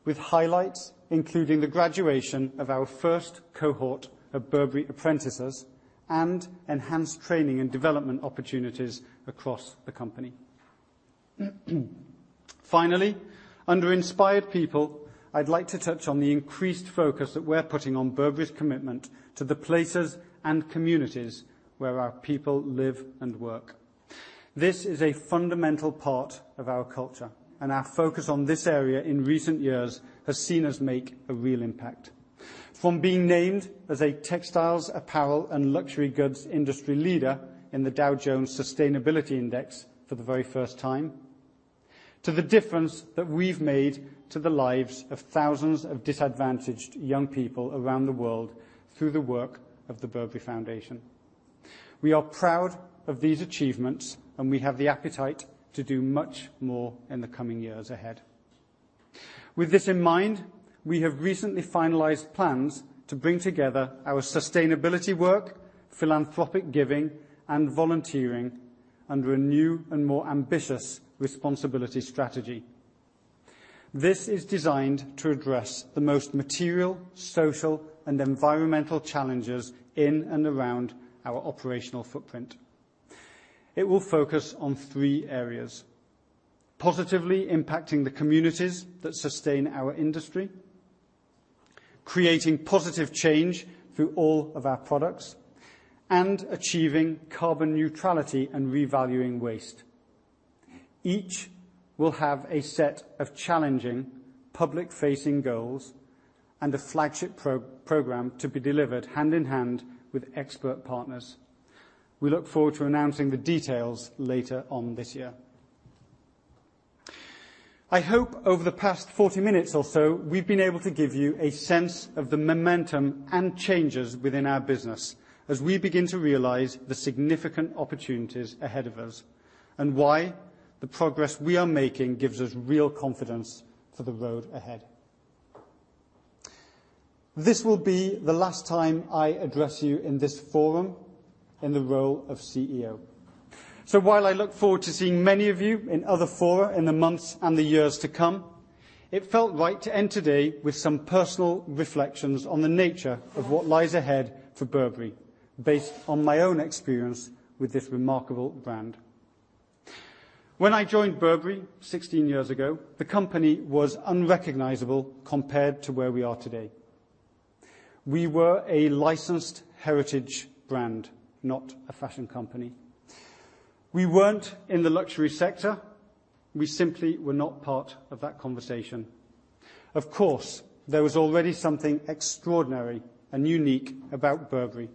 with highlights including the graduation of our first cohort of Burberry apprentices and enhanced training and development opportunities across the company. Finally, under Inspired People, I'd like to touch on the increased focus that we're putting on Burberry's commitment to the places and communities where our people live and work. This is a fundamental part of our culture, our focus on this area in recent years has seen us make a real impact. From being named as a textiles, apparel, and luxury goods industry leader in the Dow Jones Sustainability Index for the very first time, to the difference that we've made to the lives of thousands of disadvantaged young people around the world through the work of The Burberry Foundation. We are proud of these achievements. We have the appetite to do much more in the coming years ahead. With this in mind, we have recently finalized plans to bring together our sustainability work, philanthropic giving, and volunteering under a new and more ambitious responsibility strategy. This is designed to address the most material, social, and environmental challenges in and around our operational footprint. It will focus on three areas: positively impacting the communities that sustain our industry, creating positive change through all of our products, and achieving carbon neutrality and revaluing waste. Each will have a set of challenging public-facing goals and a flagship program to be delivered hand-in-hand with expert partners. We look forward to announcing the details later on this year. I hope over the past 40 minutes or so, we've been able to give you a sense of the momentum and changes within our business as we begin to realize the significant opportunities ahead of us, why the progress we are making gives us real confidence for the road ahead. This will be the last time I address you in this forum in the role of CEO. While I look forward to seeing many of you in other fora in the months and the years to come, it felt right to end today with some personal reflections on the nature of what lies ahead for Burberry based on my own experience with this remarkable brand. When I joined Burberry 16 years ago, the company was unrecognizable compared to where we are today. We were a licensed heritage brand, not a fashion company. We weren't in the luxury sector. We simply were not part of that conversation. Of course, there was already something extraordinary and unique about Burberry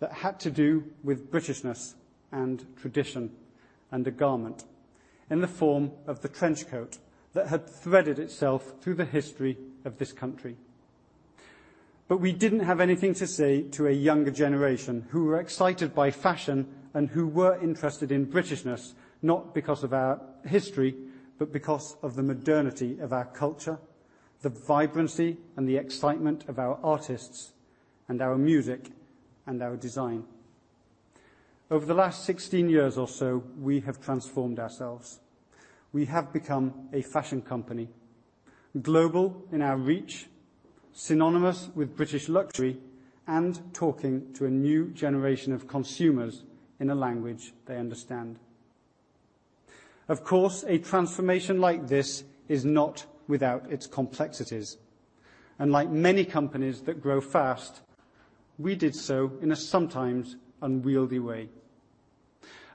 that had to do with Britishness and tradition and a garment in the form of the trench coat that had threaded itself through the history of this country. We didn't have anything to say to a younger generation who were excited by fashion and who were interested in Britishness, not because of our history, but because of the modernity of our culture, the vibrancy and the excitement of our artists and our music and our design. Over the last 16 years or so, we have transformed ourselves. We have become a fashion company, global in our reach, synonymous with British luxury, talking to a new generation of consumers in a language they understand. Of course, a transformation like this is not without its complexities, like many companies that grow fast, we did so in a sometimes unwieldy way.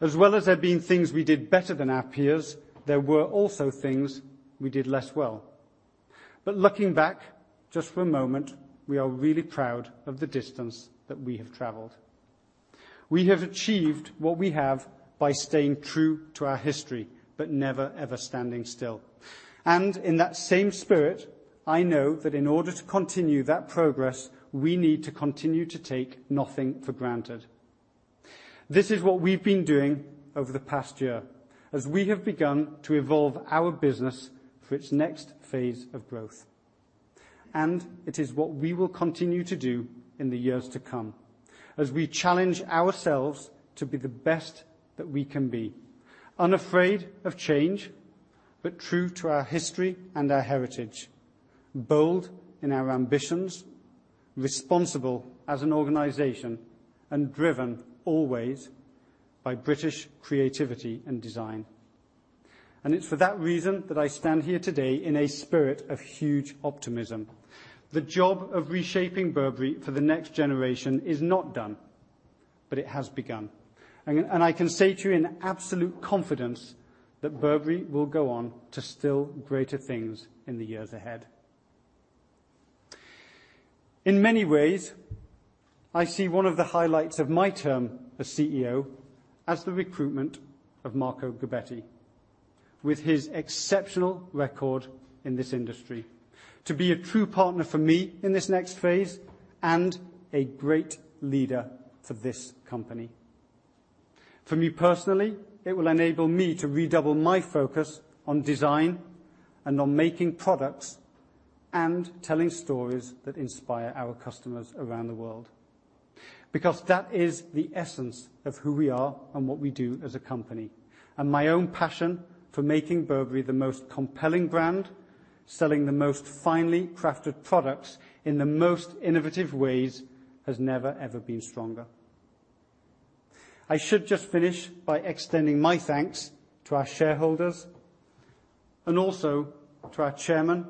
As well as there being things we did better than our peers, there were also things we did less well. Looking back just for a moment, we are really proud of the distance that we have traveled. We have achieved what we have by staying true to our history, but never, ever standing still. In that same spirit, I know that in order to continue that progress, we need to continue to take nothing for granted. This is what we've been doing over the past year as we have begun to evolve our business for its next phase of growth. It is what we will continue to do in the years to come, as we challenge ourselves to be the best that we can be. Unafraid of change, but true to our history and our heritage. Bold in our ambitions, responsible as an organization, driven always by British creativity and design. It's for that reason that I stand here today in a spirit of huge optimism. The job of reshaping Burberry for the next generation is not done, but it has begun. I can say to you in absolute confidence that Burberry will go on to still greater things in the years ahead. In many ways, I see one of the highlights of my term as CEO as the recruitment of Marco Gobbetti, with his exceptional record in this industry, to be a true partner for me in this next phase, a great leader for this company. For me personally, it will enable me to redouble my focus on design and on making products and telling stories that inspire our customers around the world. Because that is the essence of who we are and what we do as a company. My own passion for making Burberry the most compelling brand, selling the most finely crafted products in the most innovative ways has never, ever been stronger. I should just finish by extending my thanks to our shareholders and also to our chairman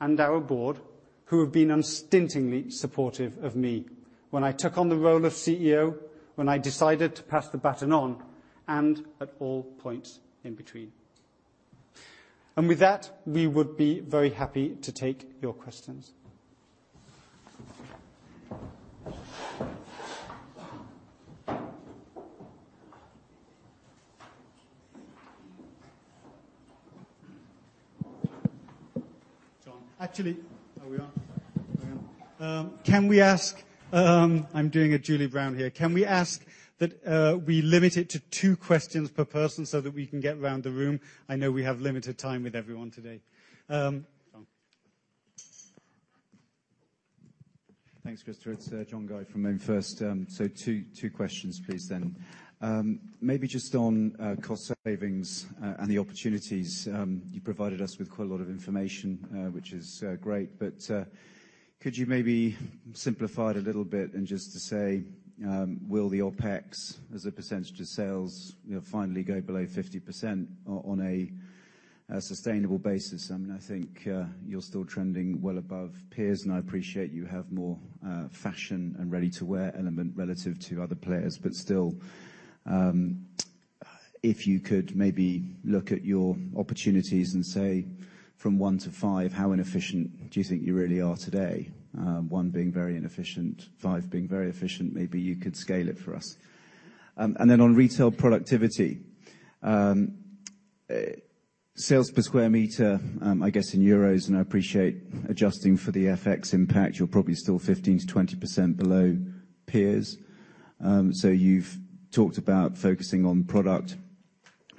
and our board, who have been unstintingly supportive of me when I took on the role of CEO, when I decided to pass the baton on, and at all points in between. With that, we would be very happy to take your questions. John. Actually, oh, we are? Hang on. Can we ask, I'm doing a Julie Brown here. Can we ask that we limit it to two questions per person so that we can get round the room? I know we have limited time with everyone today. John. Thanks, Christopher. It's John Guy from MainFirst. Two questions please. On cost savings and the opportunities. You provided us with quite a lot of information, which is great. Could you maybe simplify it a little bit and just to say, will the OpEx as a percentage of sales finally go below 50% on a sustainable basis? I think you're still trending well above peers, and I appreciate you have more fashion and ready-to-wear element relative to other players. If you could maybe look at your opportunities and say from one to five, how inefficient do you think you really are today? One being very inefficient, five being very efficient. You could scale it for us. On retail productivity. Sales per square meter, I guess in EUR, and I appreciate adjusting for the FX impact. You're probably still 15%-20% below peers. You've talked about focusing on product.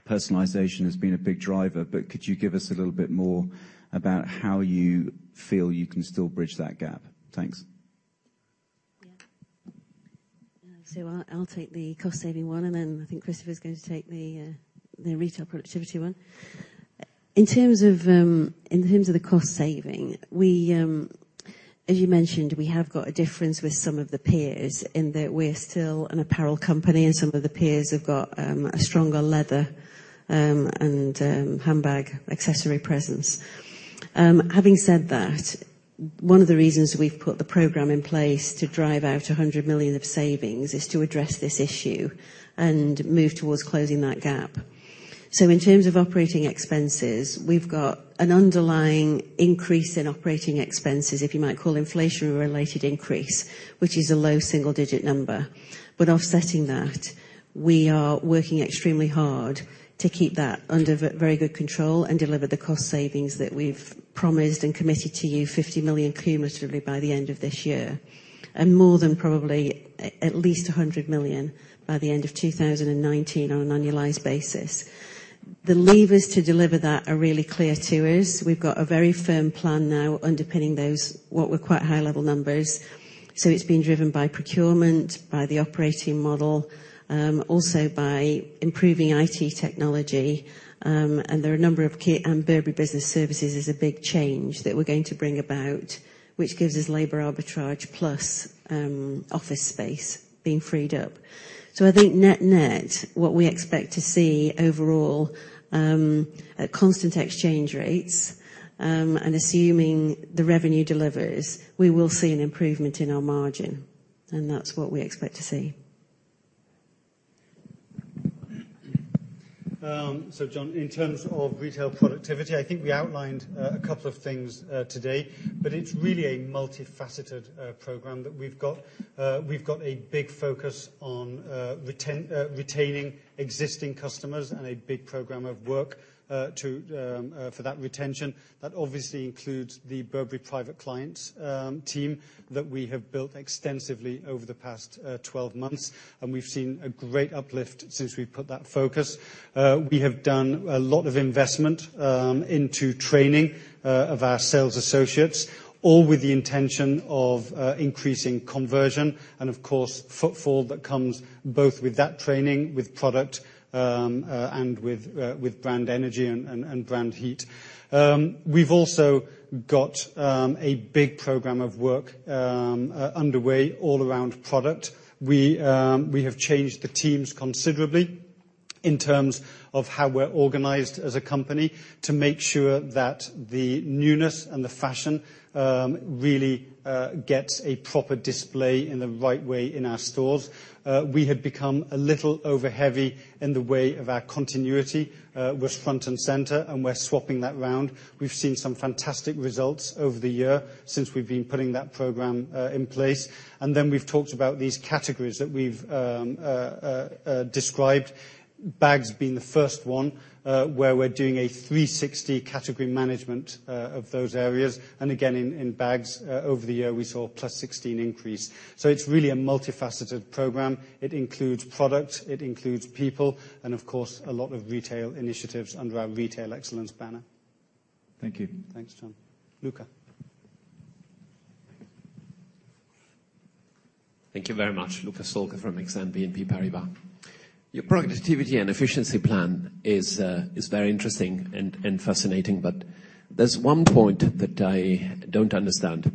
Personalization has been a big driver, could you give us a little bit more about how you feel you can still bridge that gap? Thanks. I'll take the cost saving one, and I think Christopher is going to take the retail productivity one. In terms of the cost saving, as you mentioned, we have got a difference with some of the peers in that we're still an apparel company, and some of the peers have got a stronger leather and handbag accessory presence. Having said that, one of the reasons we've put the program in place to drive out 100 million of savings is to address this issue and move towards closing that gap. In terms of operating expenses, we've got an underlying increase in operating expenses, if you might call inflation-related increase, which is a low single-digit number. Offsetting that, we are working extremely hard to keep that under very good control and deliver the cost savings that we've promised and committed to you, 50 million cumulatively by the end of this year. More than probably at least 100 million by the end of 2019 on an annualized basis. The levers to deliver that are really clear to us. We've got a very firm plan now underpinning those what were quite high-level numbers. It's been driven by procurement, by the operating model, also by improving IT technology. There are a number of key, and Burberry Business Services is a big change that we're going to bring about, which gives us labor arbitrage plus office space being freed up. I think net net, what we expect to see overall at constant exchange rates, and assuming the revenue delivers, we will see an improvement in our margin, and that's what we expect to see. John, in terms of retail productivity, I think we outlined a couple of things today, but it's really a multifaceted program that we've got. We've got a big focus on retaining existing customers and a big program of work for that retention. That obviously includes the Burberry private clients team that we have built extensively over the past 12 months, and we've seen a great uplift since we've put that focus. We have done a lot of investment into training of our sales associates, all with the intention of increasing conversion and, of course, footfall that comes both with that training, with product, and with brand energy and brand heat. We've also got a big program of work underway all around product. We have changed the teams considerably in terms of how we're organized as a company to make sure that the newness and the fashion really gets a proper display in the right way in our stores. We have become a little overheavy in the way of our continuity was front and center, and we're swapping that round. We've seen some fantastic results over the year since we've been putting that program in place. Then we've talked about these categories that we've described, bags being the first one, where we're doing a 360 category management of those areas. Again, in bags over the year, we saw plus 16 increase. It's really a multifaceted program. It includes product, it includes people, and of course, a lot of retail initiatives under our Retail Excellence banner. Thank you. Thanks, John. Luca. Thank you very much. Luca Solca from Exane BNP Paribas. Your productivity and efficiency plan is very interesting and fascinating, but there's one point that I don't understand.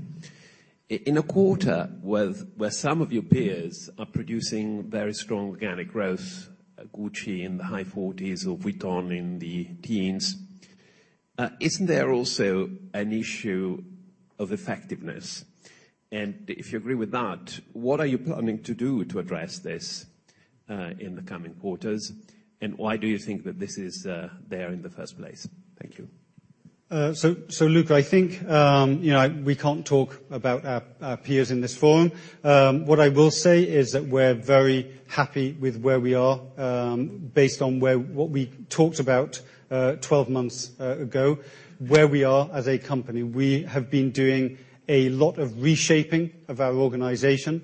In a quarter where some of your peers are producing very strong organic growth, Gucci in the high 40s or Vuitton in the teens, isn't there also an issue of effectiveness? If you agree with that, what are you planning to do to address this, in the coming quarters? Why do you think that this is there in the first place? Thank you. Luca, I think, we can't talk about our peers in this forum. What I will say is that we're very happy with where we are, based on what we talked about 12 months ago, where we are as a company. We have been doing a lot of reshaping of our organization,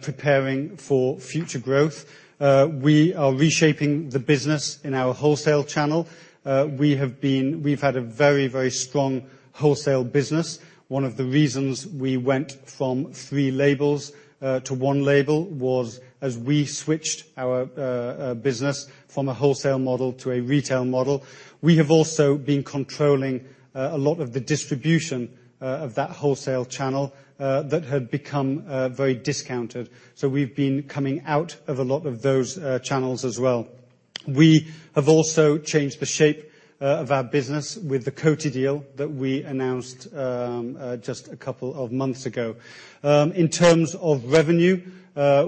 preparing for future growth. We are reshaping the business in our wholesale channel. We've had a very strong wholesale business. One of the reasons we went from three labels to one label was as we switched our business from a wholesale model to a retail model. We have also been controlling a lot of the distribution of that wholesale channel that had become very discounted. We've been coming out of a lot of those channels as well. We have also changed the shape of our business with the Coty deal that we announced just a couple of months ago. In terms of revenue,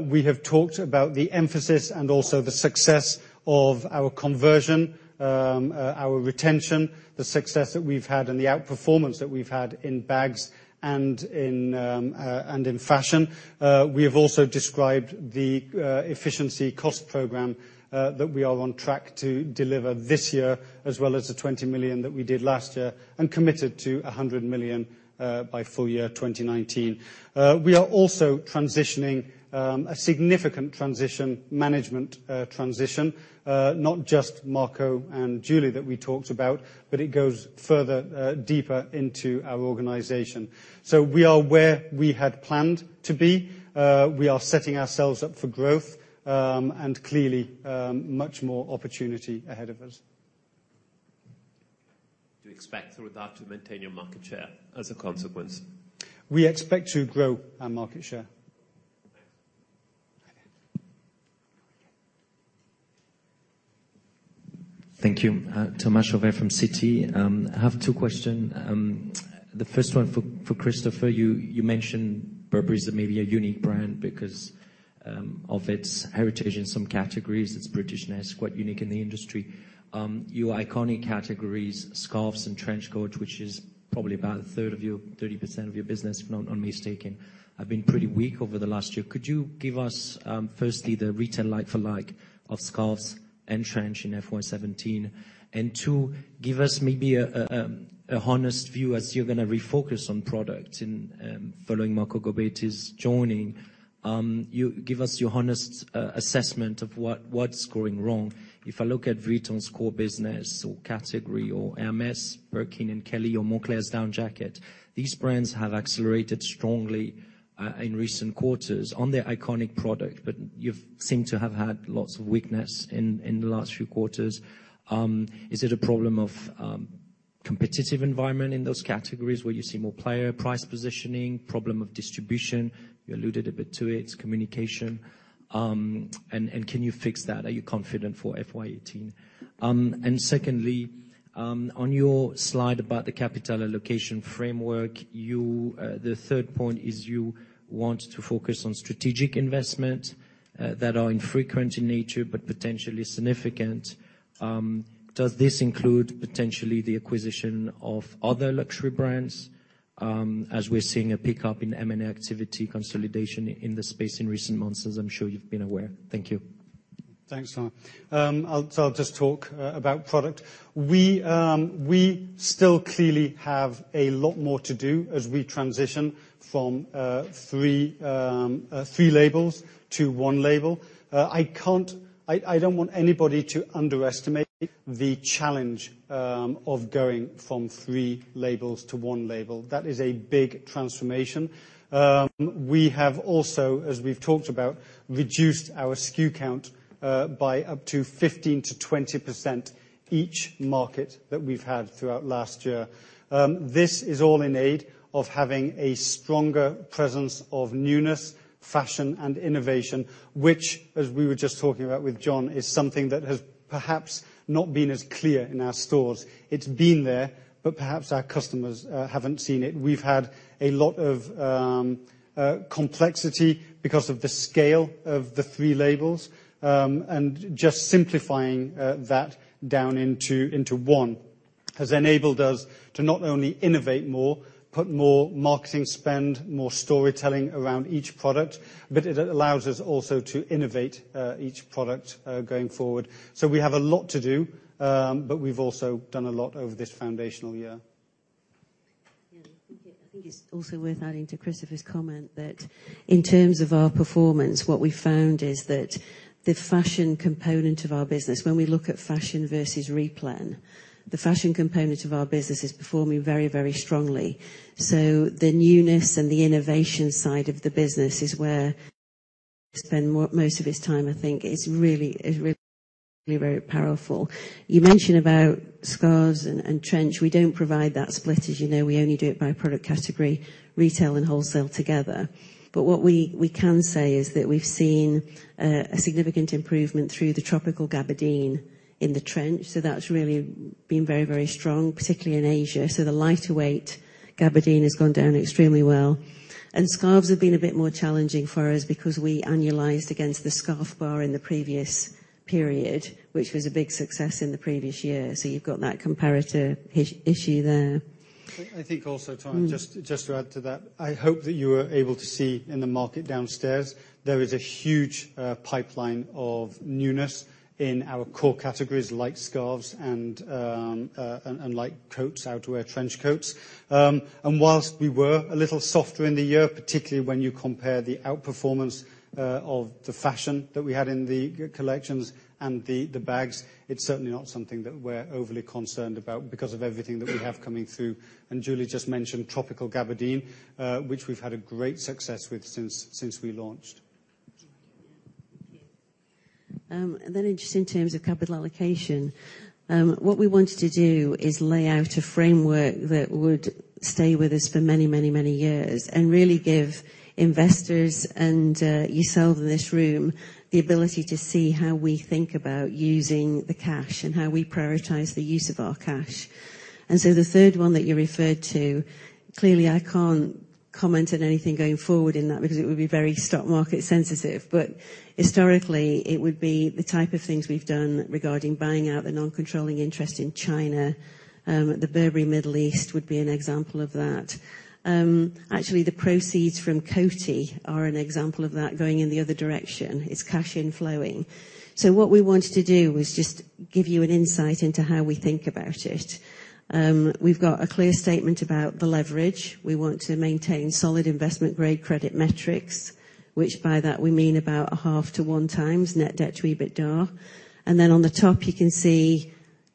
we have talked about the emphasis and also the success of our conversion, our retention, the success that we've had and the outperformance that we've had in bags and in fashion. We have also described the efficiency cost program that we are on track to deliver this year, as well as the 20 million that we did last year and committed to 100 million, by FY 2019. We are also transitioning, a significant transition, management transition, not just Marco and Julie that we talked about, but it goes further, deeper into our organization. We are where we had planned to be. We are setting ourselves up for growth, and clearly, much more opportunity ahead of us. Do you expect through that to maintain your market share as a consequence? We expect to grow our market share. Thank you. Thomas Chauvet from Citi. I have two questions. The first one for Christopher. You mentioned Burberry is maybe a unique brand because of its heritage in some categories. Its Britishness, quite unique in the industry. Your iconic categories, scarves and trench coats, which is probably about a third of your, 30% of your business, if not, I'm mistaken, have been pretty weak over the last year. Could you give us, firstly, the retail like for like of scarves and trench in FY 2017, and two, give us maybe an honest view as you're going to refocus on product in following Marco Gobbetti's joining. Give us your honest assessment of what's going wrong. If I look at Vuitton's core business or category or Hermès, Birkin and Kelly, or Moncler's down jacket, these brands have accelerated strongly, in recent quarters on their iconic product, but you've seemed to have had lots of weakness in the last few quarters. Is it a problem of competitive environment in those categories where you see more player price positioning, problem of distribution? You alluded a bit to it's communication. Can you fix that? Are you confident for FY 2018? Secondly, on your slide about the capital allocation framework, the third point is you want to focus on strategic investment that are infrequent in nature but potentially significant. Does this include potentially the acquisition of other luxury brands? As we're seeing a pickup in M&A activity consolidation in the space in recent months, as I'm sure you've been aware. Thank you. Thanks, Tom. I'll just talk about product. We still clearly have a lot more to do as we transition from three labels to one label. I don't want anybody to underestimate the challenge of going from three labels to one label. That is a big transformation. We have also, as we've talked about, reduced our SKU count by up to 15%-20% each market that we've had throughout last year. This is all in aid of having a stronger presence of newness, fashion, and innovation, which, as we were just talking about with John, is something that has perhaps not been as clear in our stores. It's been there, but perhaps our customers haven't seen it. We've had a lot of complexity because of the scale of the three labels. Just simplifying that down into one has enabled us to not only innovate more, put more marketing spend, more storytelling around each product, but it allows us also to innovate each product going forward. We have a lot to do, but we've also done a lot over this foundational year. I think it's also worth adding to Christopher's comment that in terms of our performance, what we found is that the fashion component of our business, when we look at fashion versus replen, the fashion component of our business is performing very strongly. The newness and the innovation side of the business is where we spend most of its time, I think, is really very powerful. You mention about scarves and trench. We don't provide that split, as you know. We only do it by product category, retail and wholesale together. What we can say is that we've seen a significant improvement through the tropical gabardine in the trench. That's really been very strong, particularly in Asia. The lighter weight gabardine has gone down extremely well. Scarves have been a bit more challenging for us because we annualized against the Scarf Bar in the previous period, which was a big success in the previous year. You've got that comparative issue there. I think also, Tom. Just to add to that, I hope that you are able to see in the market downstairs, there is a huge pipeline of newness in our core categories like scarves and light coats, outerwear, trench coats. Whilst we were a little softer in the year, particularly when you compare the outperformance of the fashion that we had in the collections and the bags, it's certainly not something that we're overly concerned about because of everything that we have coming through. Julie just mentioned tropical gabardine, which we've had a great success with since we launched. Yeah. Thank you. Then just in terms of capital allocation, what we wanted to do is lay out a framework that would stay with us for many years and really give investors and yourselves in this room the ability to see how we think about using the cash and how we prioritize the use of our cash. The third one that you referred to, clearly, I can't comment on anything going forward in that because it would be very stock market sensitive. Historically, it would be the type of things we've done regarding buying out the non-controlling interest in China. The Burberry Middle East would be an example of that. Actually, the proceeds from Coty are an example of that going in the other direction. It's cash inflowing. What we wanted to do was just give you an insight into how we think about it. We've got a clear statement about the leverage. We want to maintain solid investment-grade credit metrics, which by that we mean about a half to 1 times net debt to EBITDA. Then on the top, you can see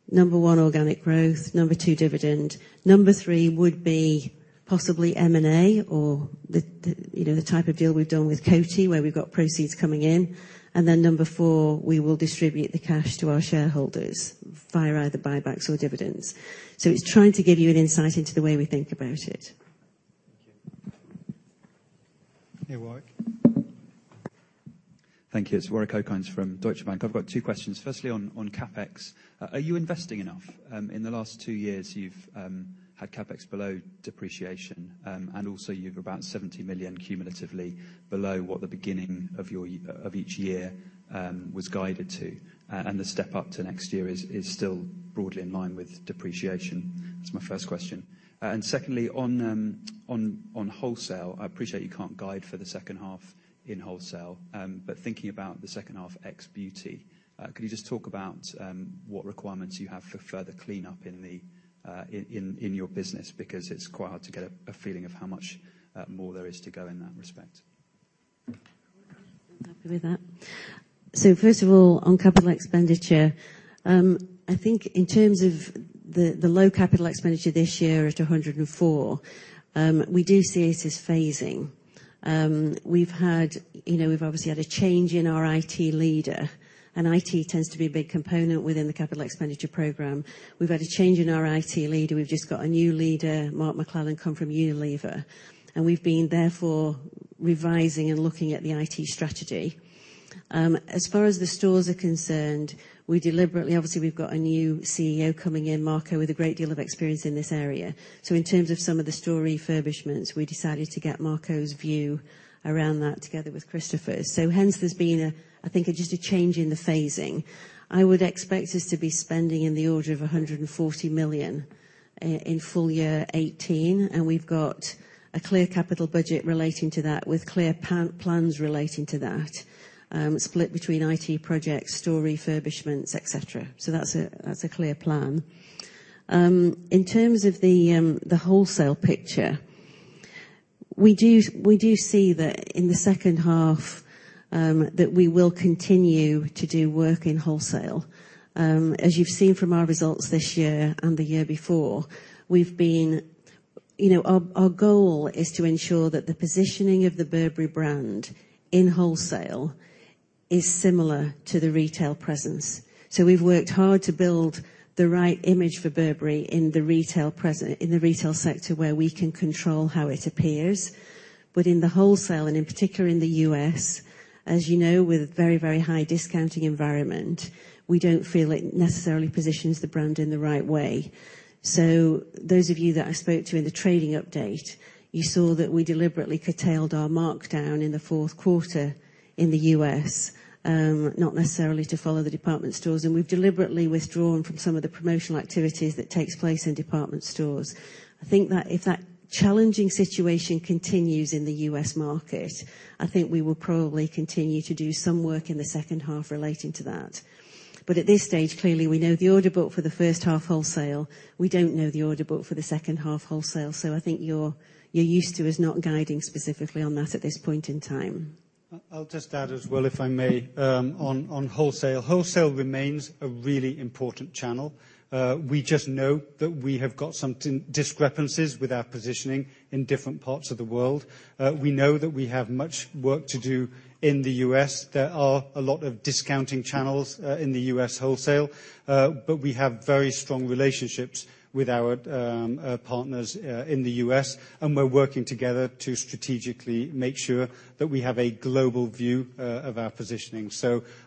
number 1, organic growth, number 2, dividend, number 3 would be possibly M&A or the type of deal we've done with Coty where we've got proceeds coming in, then number 4, we will distribute the cash to our shareholders via either buybacks or dividends. It's trying to give you an insight into the way we think about it. Thank you. Yeah, Warwick. Thank you. It's Warwick Okines from Deutsche Bank. I've got two questions. Firstly, on CapEx, are you investing enough? In the last two years, you've had CapEx below depreciation, also you've about 70 million cumulatively below what the beginning of each year was guided to. The step up to next year is still broadly in line with depreciation. That's my first question. Secondly, on wholesale, I appreciate you can't guide for the second half in wholesale, but thinking about the second half ex beauty, could you just talk about what requirements you have for further cleanup in your business? Because it's quite hard to get a feeling of how much more there is to go in that respect. I'm happy with that. First of all, on capital expenditure, I think in terms of the low capital expenditure this year at 104, we do see it as phasing. We've obviously had a change in our IT leader, and IT tends to be a big component within the capital expenditure program. We've had a change in our IT leader. We've just got a new leader, Mark McClennon, come from Unilever, we've been therefore revising and looking at the IT strategy. As far as the stores are concerned, obviously we've got a new CEO coming in, Marco, with a great deal of experience in this area. In terms of some of the store refurbishments, we decided to get Marco's view around that together with Christopher's. Hence, there's been, I think, just a change in the phasing. I would expect us to be spending in the order of 140 million in full year 2018, and we've got a clear capital budget relating to that with clear plans relating to that, split between IT projects, store refurbishments, et cetera. That's a clear plan. In terms of the wholesale picture, we do see that in the second half, that we will continue to do work in wholesale. As you've seen from our results this year and the year before, our goal is to ensure that the positioning of the Burberry brand in wholesale is similar to the retail presence. We've worked hard to build the right image for Burberry in the retail sector where we can control how it appears, but in the wholesale, and in particular in the U.S., as you know, with very high discounting environment, we don't feel it necessarily positions the brand in the right way. Those of you that I spoke to in the trading update, you saw that we deliberately curtailed our markdown in the fourth quarter in the U.S., not necessarily to follow the department stores, and we've deliberately withdrawn from some of the promotional activities that takes place in department stores. I think that if that challenging situation continues in the U.S. market, I think we will probably continue to do some work in the second half relating to that. At this stage, clearly, we know the order book for the first half wholesale. We don't know the order book for the second half wholesale. I think you're used to us not guiding specifically on that at this point in time. I'll just add as well, if I may, on wholesale. Wholesale remains a really important channel. We just know that we have got some discrepancies with our positioning in different parts of the world. We know that we have much work to do in the U.S. There are a lot of discounting channels in the U.S. wholesale. We have very strong relationships with our partners in the U.S., and we're working together to strategically make sure that we have a global view of our positioning.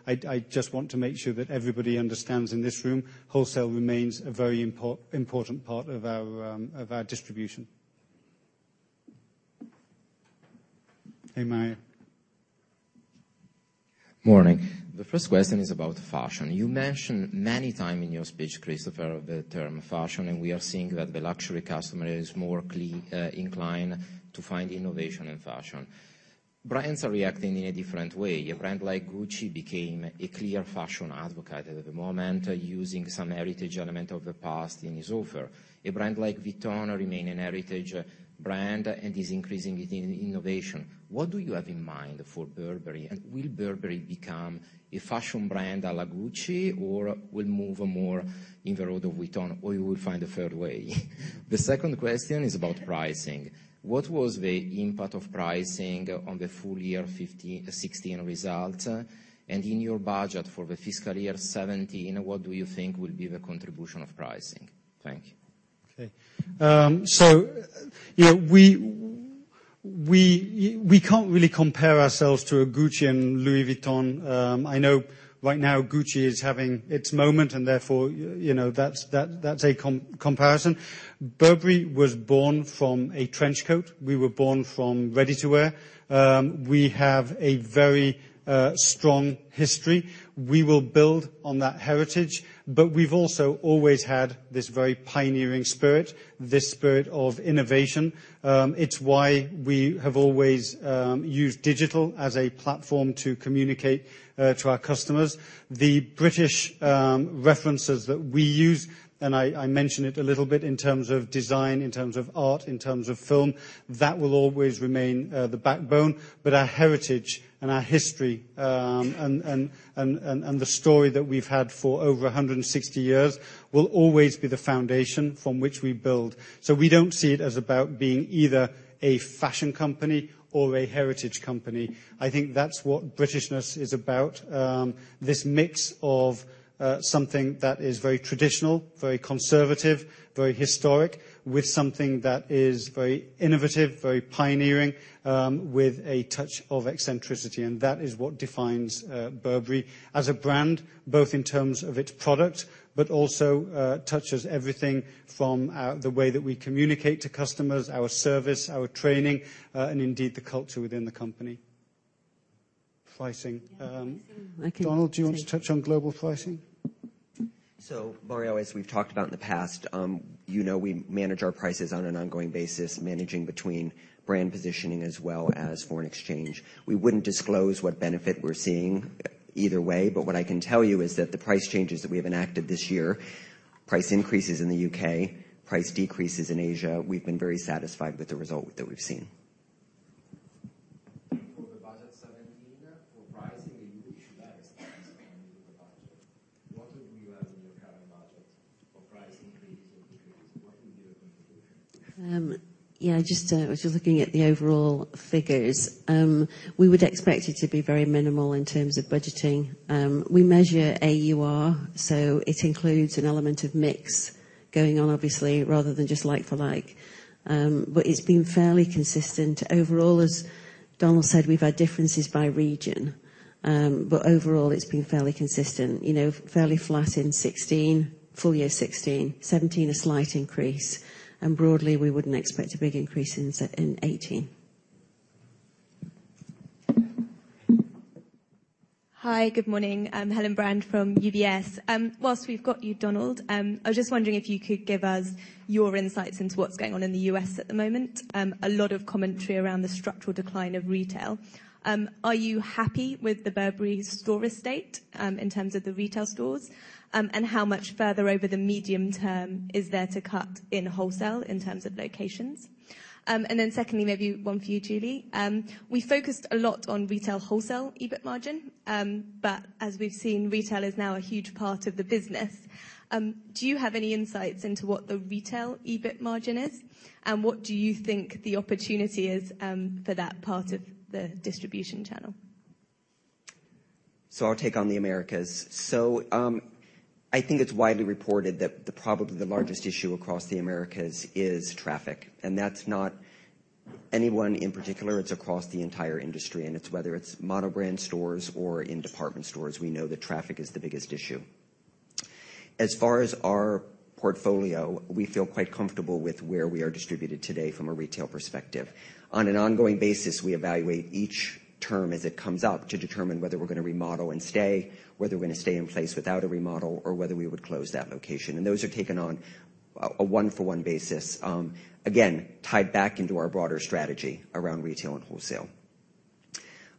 I just want to make sure that everybody understands in this room, wholesale remains a very important part of our distribution. Hey, Mario. Morning. The first question is about fashion. You mentioned many time in your speech, Christopher, the term fashion. We are seeing that the luxury customer is more inclined to find innovation in fashion. Brands are reacting in a different way. A brand like Gucci became a clear fashion advocate at the moment, using some heritage element of the past in its offer. A brand like Vuitton remain a heritage brand. Is increasing in innovation. What do you have in mind for Burberry? Will Burberry become a fashion brand a la Gucci, or will move more in the road of Vuitton, or you will find a third way? The second question is about pricing. What was the impact of pricing on the full year 2016 result? In your budget for the fiscal year 2017, what do you think will be the contribution of pricing? Thank you. Okay. We can't really compare ourselves to a Gucci and Louis Vuitton. I know right now Gucci is having its moment, therefore, that's a comparison. Burberry was born from a trench coat. We were born from ready-to-wear. We have a very strong history. We will build on that heritage, but we've also always had this very pioneering spirit, this spirit of innovation. It's why we have always used digital as a platform to communicate to our customers. The British references that we use, I mention it a little bit in terms of design, in terms of art, in terms of film, that will always remain the backbone. Our heritage and our history, and the story that we've had for over 160 years will always be the foundation from which we build. We don't see it as about being either a fashion company or a heritage company. I think that's what Britishness is about, this mix of something that is very traditional, very conservative, very historic, with something that is very innovative, very pioneering, with a touch of eccentricity, and that is what defines Burberry as a brand, both in terms of its product, but also touches everything from the way that we communicate to customers, our service, our training, indeed the culture within the company. Pricing. Yeah, pricing. Okay. Donald, do you want to touch on global pricing? Mario, as we've talked about in the past, you know we manage our prices on an ongoing basis, managing between brand positioning as well as foreign exchange. We wouldn't disclose what benefit we're seeing either way, but what I can tell you is that the price changes that we have enacted this year, price increases in the U.K., price decreases in Asia, we've been very satisfied with the result that we've seen. For the budget 2017, for pricing the budget, what would you have in your current budget for price increase or decrease? What would be your conclusion? Yeah, just looking at the overall figures. We would expect it to be very minimal in terms of budgeting. We measure AUR, it includes an element of mix Going on, obviously, rather than just like for like. It's been fairly consistent. Overall, as Donald said, we've had differences by region. Overall, it's been fairly consistent. Fairly flat in 2016, full year 2016. 2017, a slight increase. Broadly, we wouldn't expect a big increase in 2018. Hi, good morning. I'm Helen Brand from UBS. Whilst we've got you, Donald, I was just wondering if you could give us your insights into what's going on in the U.S. at the moment. A lot of commentary around the structural decline of retail. Are you happy with the Burberry store estate, in terms of the retail stores? How much further over the medium term is there to cut in wholesale in terms of locations? Secondly, maybe one for you, Julie. We focused a lot on retail wholesale EBIT margin. As we've seen, retail is now a huge part of the business. Do you have any insights into what the retail EBIT margin is? What do you think the opportunity is for that part of the distribution channel? I'll take on the Americas. I think it's widely reported that probably the largest issue across the Americas is traffic. That's not anyone in particular, it's across the entire industry. It's whether it's mono-brand stores or in department stores. We know that traffic is the biggest issue. As far as our portfolio, we feel quite comfortable with where we are distributed today from a retail perspective. On an ongoing basis, we evaluate each term as it comes up to determine whether we're going to remodel and stay, whether we're going to stay in place without a remodel, or whether we would close that location. Those are taken on a one for one basis. Again, tied back into our broader strategy around retail and wholesale.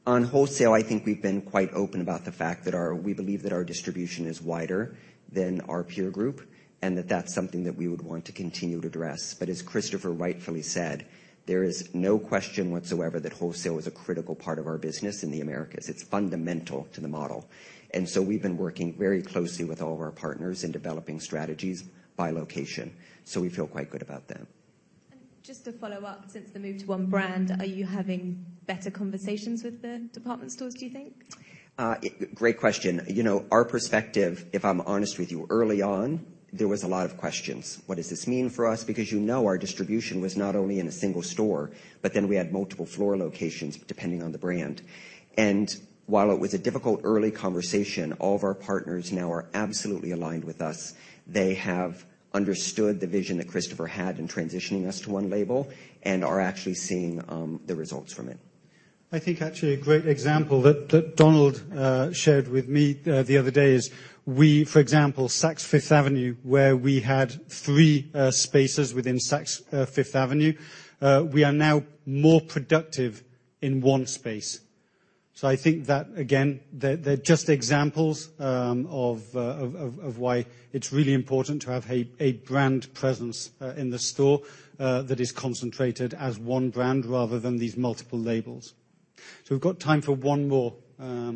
On wholesale, I think we've been quite open about the fact that we believe that our distribution is wider than our peer group, and that that's something that we would want to continue to address. As Christopher rightfully said, there is no question whatsoever that wholesale is a critical part of our business in the Americas. It's fundamental to the model. We've been working very closely with all of our partners in developing strategies by location. We feel quite good about that. Just to follow up, since the move to one label, are you having better conversations with the department stores, do you think? Great question. Our perspective, if I'm honest with you, early on, there was a lot of questions. What does this mean for us? You know our distribution was not only in a single store, we had multiple floor locations depending on the brand. While it was a difficult early conversation, all of our partners now are absolutely aligned with us. They have understood the vision that Christopher had in transitioning us to one label and are actually seeing the results from it. I think actually a great example that Donald shared with me the other day is, for example, Saks Fifth Avenue, where we had three spaces within Saks Fifth Avenue. We are now more productive in one space. I think that, again, they're just examples of why it's really important to have a brand presence in the store that is concentrated as one brand rather than these multiple labels. We've got time for one more. There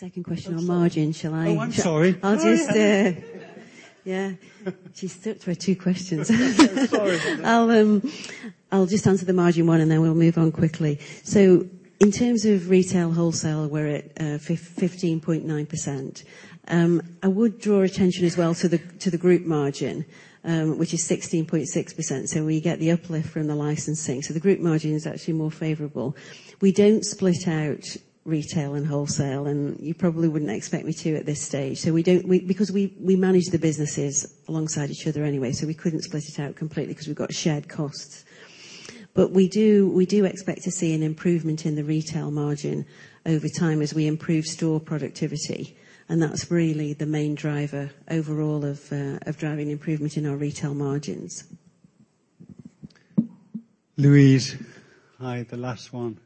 was a second question on margin. Oh, I'm sorry. I'll just Yeah. She stuck to her two questions. Sorry. In terms of retail wholesale, we are at 15.9%. I would draw attention as well to the group margin, which is 16.6%. We get the uplift from the licensing. The group margin is actually more favorable. We do not split out retail and wholesale, and you probably would not expect me to at this stage. We manage the businesses alongside each other anyway, so we could not split it out completely because we have got shared costs. We do expect to see an improvement in the retail margin over time as we improve store productivity, and that is really the main driver overall of driving improvement in our retail margins. Louise. Hi, the last one.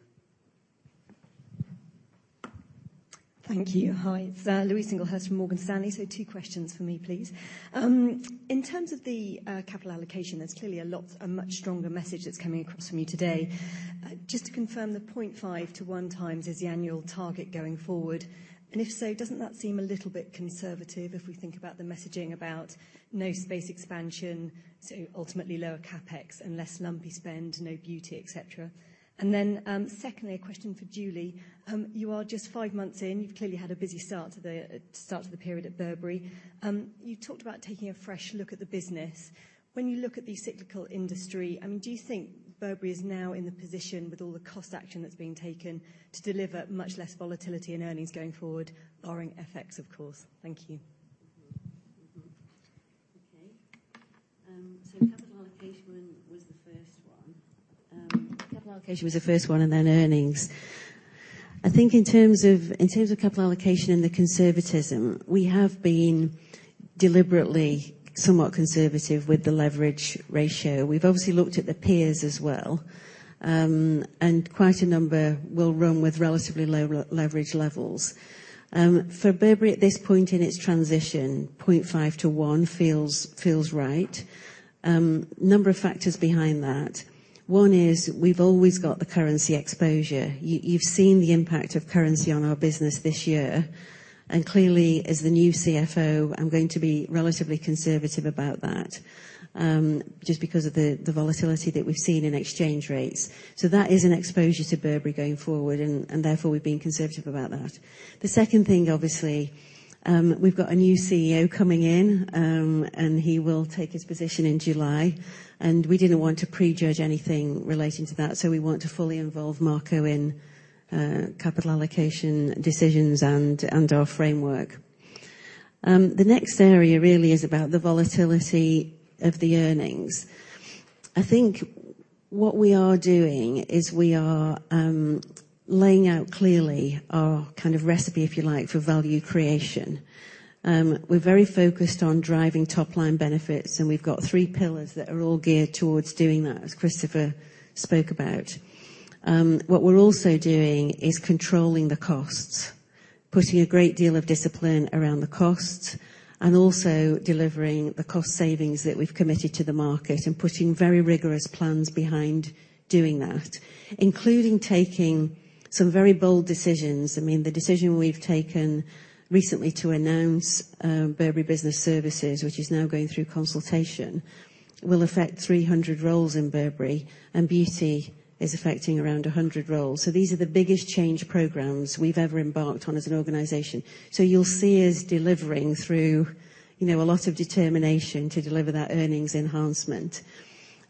Thank you. Hi, it is Louise Singlehurst from Morgan Stanley. Two questions from me, please. In terms of the capital allocation, there is clearly a much stronger message that is coming across from you today. Just to confirm the 0.5x-1x is the annual target going forward. If so, does not that seem a little bit conservative if we think about the messaging about no space expansion, so ultimately lower CapEx and less lumpy spend, no beauty, et cetera. Secondly, a question for Julie. You are just five months in. You have clearly had a busy start to the period at Burberry. You talked about taking a fresh look at the business. When you look at the cyclical industry, do you think Burberry is now in the position with all the cost action that is being taken to deliver much less volatility in earnings going forward, barring FX, of course? Thank you. Capital allocation was the first one. Capital allocation was the first one, then earnings. In terms of capital allocation and the conservatism, we have been deliberately somewhat conservative with the leverage ratio. We've obviously looked at the peers as well. Quite a number will run with relatively low leverage levels. For Burberry at this point in its transition, 0.5 to one feels right. Number of factors behind that. One is we've always got the currency exposure. You've seen the impact of currency on our business this year. Clearly, as the new CFO, I'm going to be relatively conservative about that, just because of the volatility that we've seen in exchange rates. That is an exposure to Burberry going forward, therefore we're being conservative about that. The second thing, obviously, we've got a new CEO coming in, and he will take his position in July. We didn't want to prejudge anything relating to that, so we want to fully involve Marco in capital allocation decisions and our framework. The next area really is about the volatility of the earnings. What we are doing is we are laying out clearly our kind of recipe, if you like, for value creation. We're very focused on driving top-line benefits, and we've got three pillars that are all geared towards doing that, as Christopher spoke about. What we're also doing is controlling the costs, putting a great deal of discipline around the costs, and also delivering the cost savings that we've committed to the market and putting very rigorous plans behind doing that, including taking some very bold decisions. The decision we've taken recently to announce Burberry Business Services, which is now going through consultation, will affect 300 roles in Burberry, and Beauty is affecting around 100 roles. These are the biggest change programs we've ever embarked on as an organization. You'll see us delivering through a lot of determination to deliver that earnings enhancement.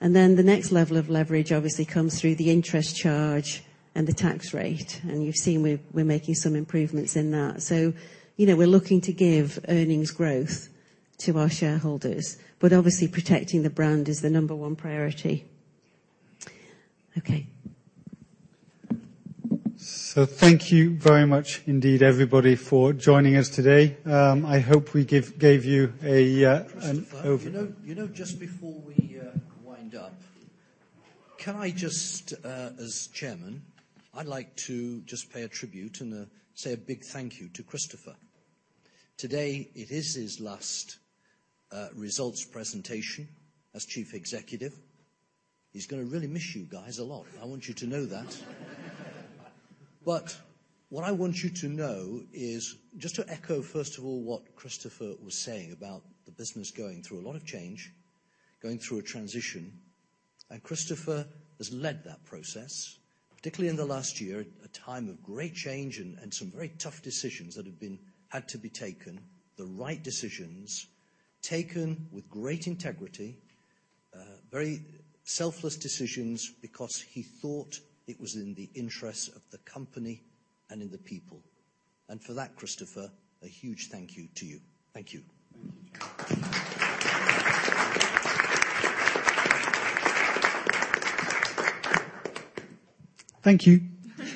The next level of leverage obviously comes through the interest charge and the tax rate, and you've seen we're making some improvements in that. We're looking to give earnings growth to our shareholders, but obviously protecting the brand is the number one priority. Thank you very much indeed everybody for joining us today. I hope we gave you. Christopher, just before we wind up, can I just, as chairman, I'd like to just pay a tribute and say a big thank you to Christopher. Today, it is his last results presentation as chief executive. He's going to really miss you guys a lot. I want you to know that. What I want you to know is, just to echo, first of all, what Christopher was saying about the business going through a lot of change, going through a transition, Christopher has led that process, particularly in the last year, at a time of great change and some very tough decisions that have had to be taken, the right decisions, taken with great integrity, very selfless decisions because he thought it was in the interest of the company and in the people. For that, Christopher, a huge thank you to you. Thank you. Thank you.